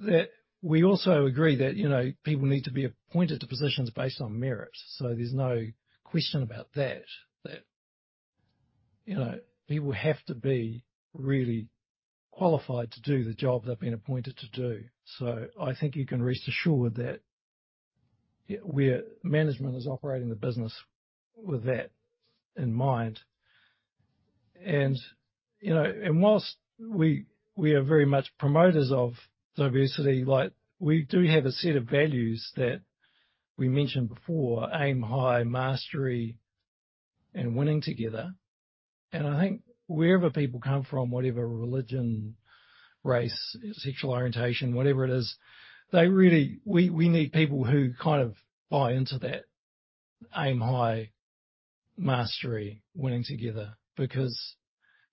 that we also agree that people need to be appointed to positions based on merit. So there's no question about that, you know, people have to be really qualified to do the job they've been appointed to do. So I think you can rest assured that management is operating the business with that in mind. And, you know, whilst we are very much promoters of diversity, like, we do have a set of values that we mentioned before: aim high, mastery, and winning together. And I think wherever people come from, whatever religion, race, sexual orientation, whatever it is, they really... We need people who kind of buy into that aim high, mastery, winning together, because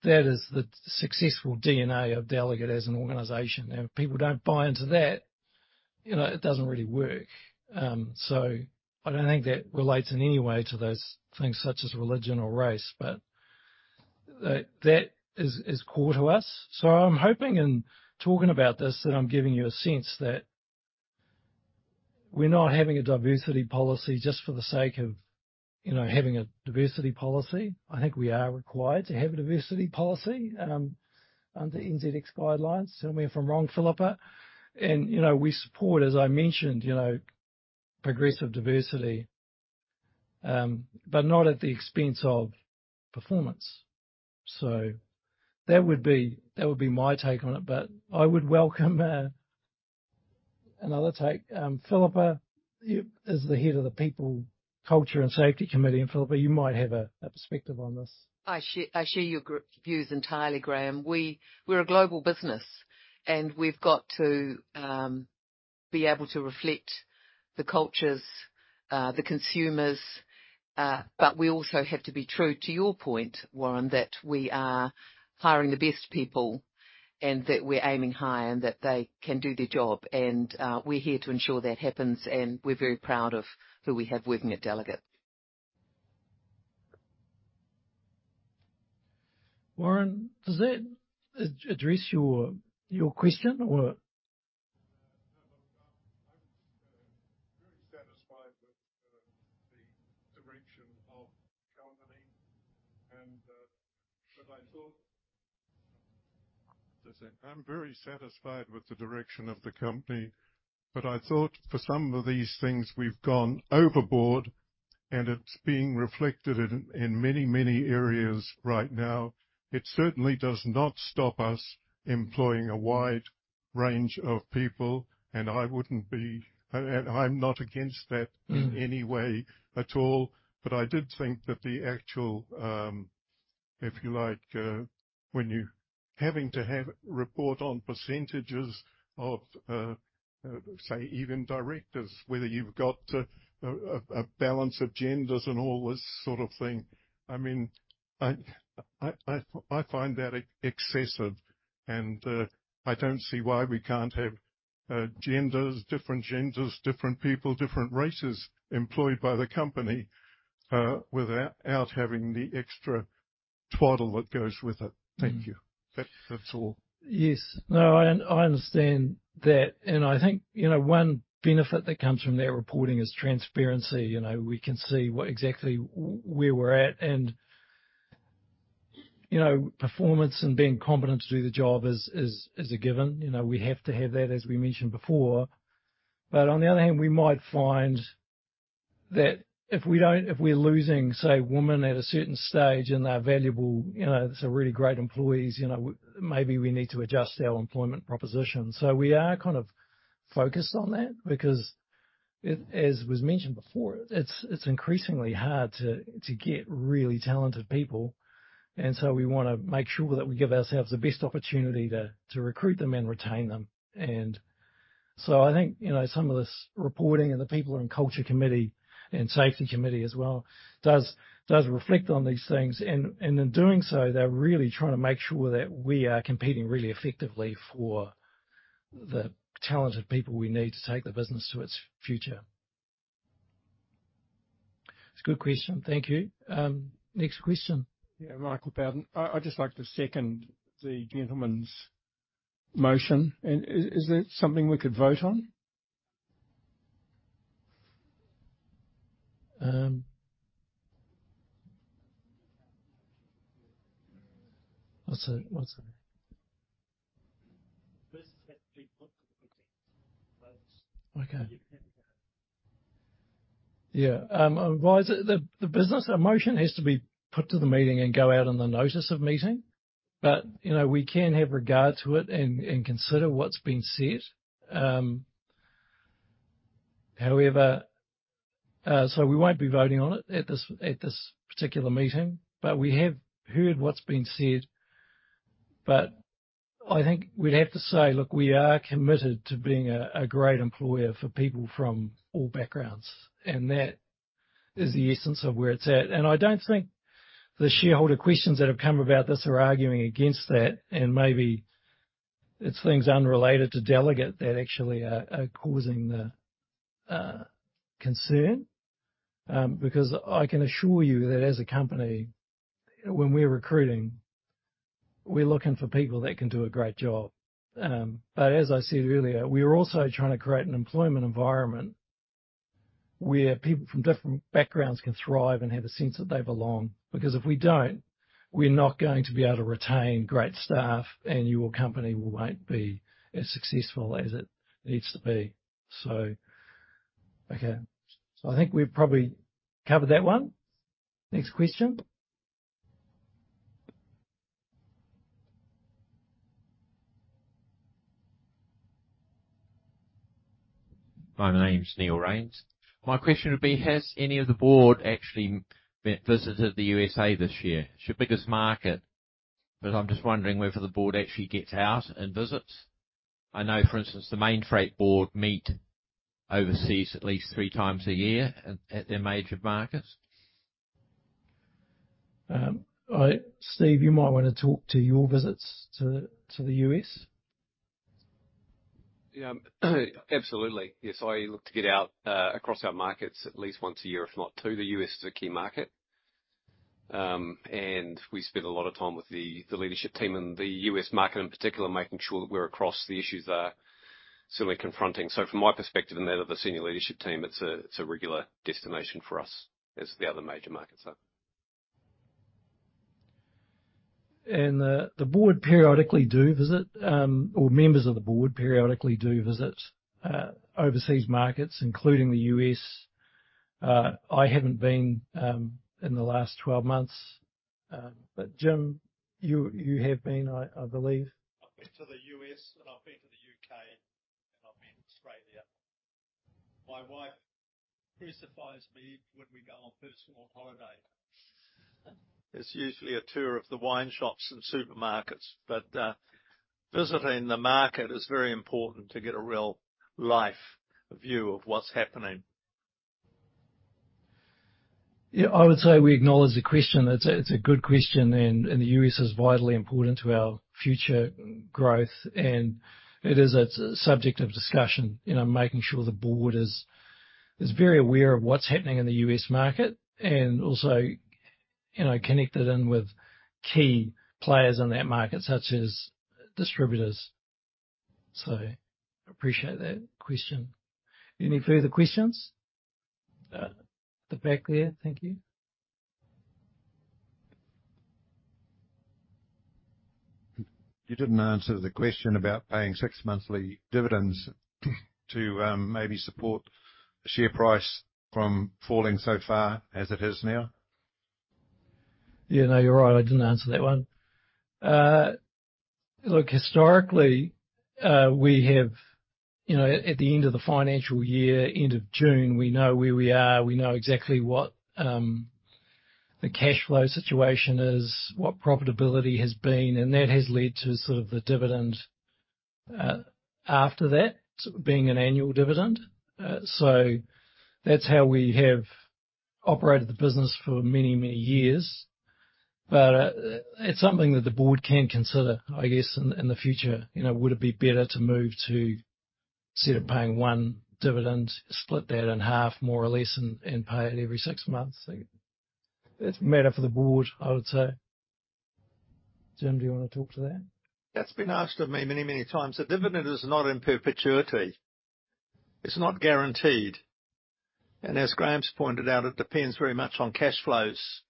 that is the successful DNA of Delegat as an organization. And if people don't buy into that, you know, it doesn't really work. So I don't think that relates in any way to those things such as religion or race, but that is core to us. So I'm hoping in talking about this, that I'm giving you a sense that we're not having a diversity policy just for the sake of, you know, having a diversity policy. I think we are required to have a diversity policy under NZX guidelines. Am I wrong, Phillipa? And, you know, we support, as I mentioned, you know, progressive diversity, but not at the expense of performance. So that would be my take on it, but I would welcome another take. Phillipa, you as the head of the People, Culture and Safety Committee, and Phillipa, you might have a perspective on this. I share your views entirely, Graeme. We're a global business, and we've got to be able to reflect the cultures, the consumers, but we also have to be true to your point, Warren, that we are hiring the best people and that we're aiming high, and that they can do their job. And we're here to ensure that happens, and we're very proud of who we have working at Delegat. Warren, does that address your question, or? I'm very satisfied with the direction of the company, and but I thought... I'm very satisfied with the direction of the company, but I thought for some of these things, we've gone overboard, and it's being reflected in many, many areas right now. It certainly does not stop us employing a wide range of people, and I wouldn't be... And I'm not against that in any way at all, but I did think that the actual, if you like, when you're having to have report on percentages of, say, even directors, whether you've got a balance of genders and all this sort of thing, I mean, I find that excessive, and I don't see why we can't have-... genders, different genders, different people, different races employed by the company, without, without having the extra twaddle that goes with it. Thank you. That, that's all. Yes. No, and I understand that, and I think, you know, one benefit that comes from that reporting is transparency. You know, we can see what exactly where we're at. And, you know, performance and being competent to do the job is a given. You know, we have to have that, as we mentioned before. But on the other hand, we might find that if we're losing, say, women at a certain stage, and they're valuable, you know, so really great employees, you know, maybe we need to adjust our employment proposition. So we are kind of focused on that because it... As was mentioned before, it's increasingly hard to get really talented people, and so we wanna make sure that we give ourselves the best opportunity to recruit them and retain them. And so I think, you know, some of this reporting and the people on Culture Committee and Safety Committee as well, does reflect on these things. And in doing so, they're really trying to make sure that we are competing really effectively for the talented people we need to take the business to its future. It's a good question. Thank you. Next question? Yeah, Michael Bowden. I'd just like to second the gentleman's motion. And is that something we could vote on? What's a- First it has to be put to the meeting. Okay. You can't vote. Yeah. Well, the business, a motion has to be put to the meeting and go out on the notice of meeting, but, you know, we can have regard to it and consider what's been said. However, so we won't be voting on it at this particular meeting, but we have heard what's been said. But I think we'd have to say, look, we are committed to being a great employer for people from all backgrounds, and that is the essence of where it's at. And I don't think the shareholder questions that have come about this are arguing against that, and maybe it's things unrelated to Delegat that actually are causing the concern. Because I can assure you that as a company, when we're recruiting, we're looking for people that can do a great job. But as I said earlier, we are also trying to create an employment environment where people from different backgrounds can thrive and have a sense that they belong, because if we don't, we're not going to be able to retain great staff, and your company won't be as successful as it needs to be. So, okay. So I think we've probably covered that one. Next question. My name's Neil Rains. My question would be, has any of the board actually visited the U.S.A. this year? It's your biggest market, but I'm just wondering whether the board actually gets out and visits. I know, for instance, the Mainfreight board meet overseas at least three times a year at their major markets. Steve, you might want to talk about your visits to the U.S. Yeah, absolutely. Yes, I look to get out across our markets at least once a year, if not two. The U.S. is a key market. We spend a lot of time with the leadership team in the U.S. market in particular, making sure that we're across the issues they are certainly confronting. So from my perspective and that of the senior leadership team, it's a regular destination for us as the other major markets are. The board periodically do visit, or members of the board periodically do visit, overseas markets, including the U.S. I haven't been in the last 12 months, but Jim, you have been, I believe. I've been to the U.S., and I've been to the U.K., and I've been to Australia. My wife crucifies me when we go on personal holiday. It's usually a tour of the wine shops and supermarkets, but visiting the market is very important to get a real-life view of what's happening. Yeah, I would say we acknowledge the question. It's a good question, and the U.S. is vitally important to our future growth, and it is a subject of discussion. You know, making sure the board is very aware of what's happening in the U.S. market and also, you know, connected in with key players in that market, such as distributors. So I appreciate that question. Any further questions? At the back there. Thank you. You didn't answer the question about paying six monthly dividends, to, maybe support the share price from falling so far as it is now. Yeah, no, you're right. I didn't answer that one. Look, historically, we have, you know, at the end of the financial year, end of June, we know where we are, we know exactly what the cash flow situation is, what profitability has been, and that has led to sort of the dividend after that, being an annual dividend. So that's how we have operated the business for many, many years. But it's something that the board can consider, I guess, in the future. You know, would it be better to move to, instead of paying one dividend, split that in half, more or less, and pay it every six months? It's a matter for the board, I would say. Jim, do you want to talk to that? That's been asked of me many, many times. The dividend is not in perpetuity. It's not guaranteed, and as Graeme's pointed out, it depends very much on cash flows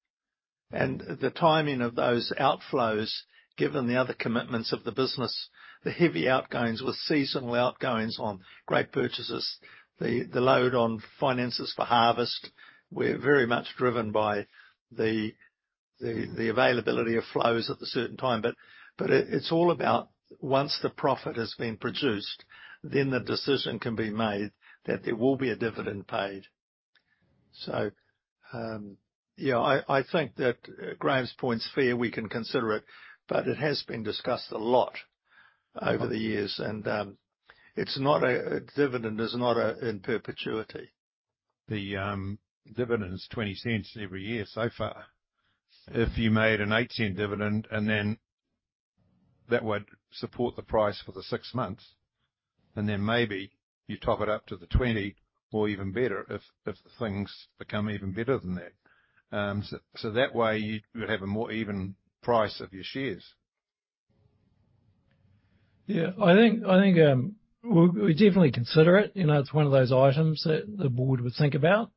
and the timing of those outflows, given the other commitments of the business, the heavy outgoings with seasonal outgoings on great purchases, the load on finances for harvest. We're very much driven by the availability of flows at a certain time, but it, it's all about once the profit has been produced, then the decision can be made that there will be a dividend paid. So, yeah, I think that Graeme's point is fair, we can consider it, but it has been discussed a lot over the years, and it's not a dividend in perpetuity. The dividend is NZD 0.20 every year so far. If you made an 0.18 dividend and then that would support the price for the 6 months, and then maybe you top it up to the 0.20, or even better, if things become even better than that. So that way, you would have a more even price of your shares. Yeah. I think, I think, we'll, we'll definitely consider it. You know, it's one of those items that the board would think about.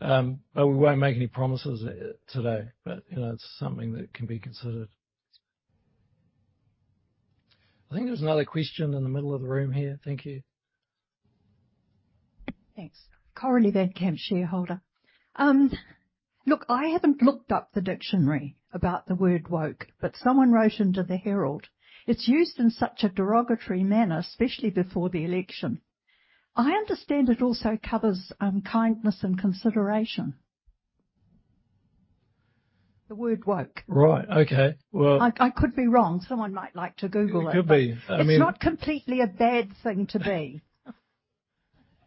But we won't make any promises today, but, you know, it's something that can be considered. I think there's another question in the middle of the room here. Thank you. Thanks. Coralie Van Camp, shareholder. Look, I haven't looked up the dictionary about the word woke, but someone wrote into The Herald. It's used in such a derogatory manner, especially before the election. I understand it also covers kindness and consideration. The word woke. Right. Okay. Well- I could be wrong. Someone might like to Google it. You could be. I mean- It's not completely a bad thing to be.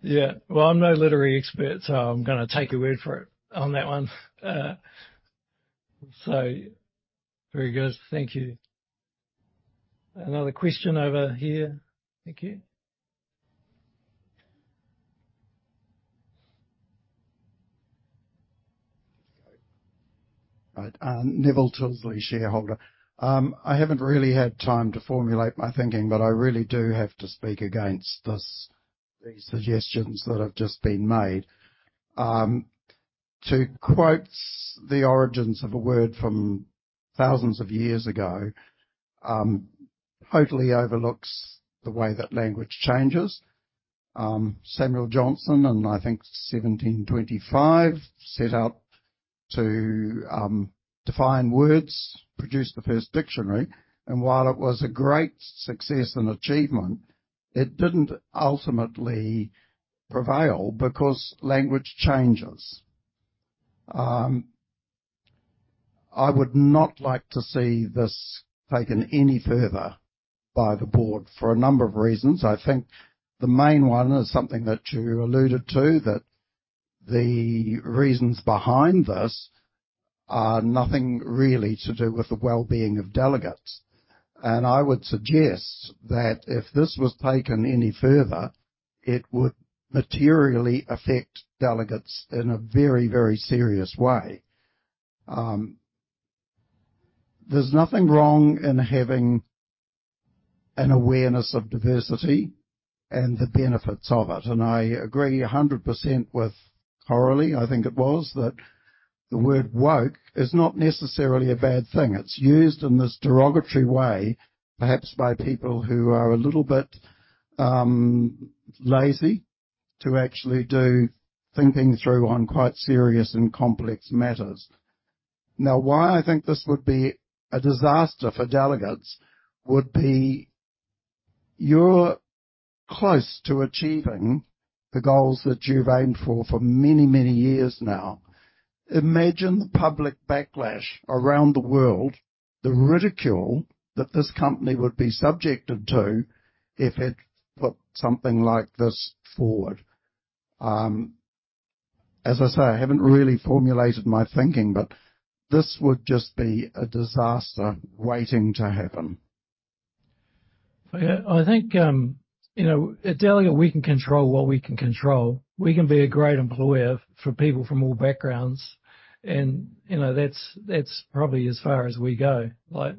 Yeah. Well, I'm no literary expert, so I'm gonna take your word for it on that one. So very good. Thank you. Another question over here. Thank you. Right. Neville Tinsley, shareholder. I haven't really had time to formulate my thinking, but I really do have to speak against this, these suggestions that have just been made. To quote the origins of a word from thousands of years ago, totally overlooks the way that language changes. Samuel Johnson, in I think 1725, set out to, define words, produce the first dictionary, and while it was a great success and achievement, it didn't ultimately prevail because language changes. I would not like to see this taken any further by the board for a number of reasons. I think the main one is something that you alluded to, that the reasons behind this are nothing really to do with the well-being of Delegat's. I would suggest that if this was taken any further, it would materially affect Delegat in a very, very serious way. There's nothing wrong in having an awareness of diversity and the benefits of it, and I agree 100% with Coralie. I think it was that the word woke is not necessarily a bad thing. It's used in this derogatory way, perhaps by people who are a little bit lazy to actually do thinking through on quite serious and complex matters. Now, why I think this would be a disaster for Delegat would be: you're close to achieving the goals that you've aimed for, for many, many years now. Imagine the public backlash around the world, the ridicule that this company would be subjected to if it put something like this forward. As I say, I haven't really formulated my thinking, but this would just be a disaster waiting to happen. Yeah, I think, you know, at Delegat, we can control what we can control. We can be a great employer for people from all backgrounds and, you know, that's, that's probably as far as we go, like,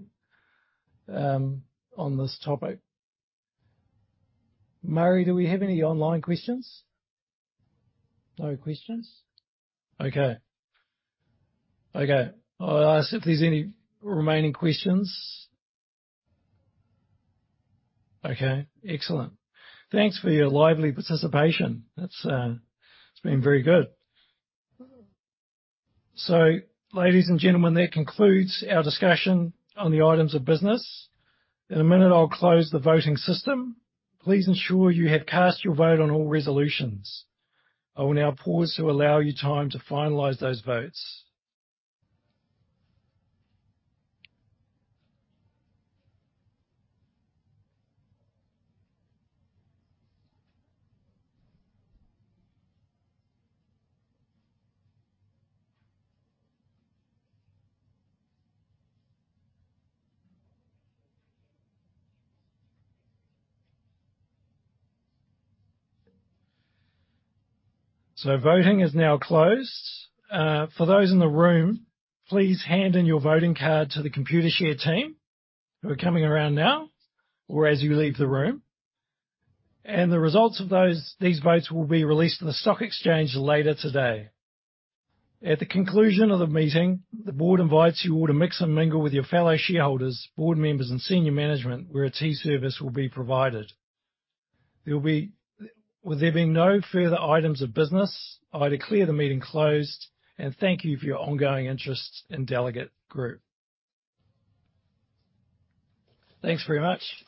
on this topic. Rosemari, do we have any online questions? No questions. Okay. Okay. I'll ask if there's any remaining questions. Okay, excellent. Thanks for your lively participation. That's, it's been very good. So ladies and gentlemen, that concludes our discussion on the items of business. In a minute, I'll close the voting system. Please ensure you have cast your vote on all resolutions. I will now pause to allow you time to finalize those votes. So voting is now closed. For those in the room, please hand in your voting card to the Computershare team who are coming around now, or as you leave the room, and the results of those, these votes will be released to the stock exchange later today. At the conclusion of the meeting, the board invites you all to mix and mingle with your fellow shareholders, board members, and senior management, where a tea service will be provided. With there being no further items of business, I declare the meeting closed, and thank you for your ongoing interest in Delegat Group. Thanks very much.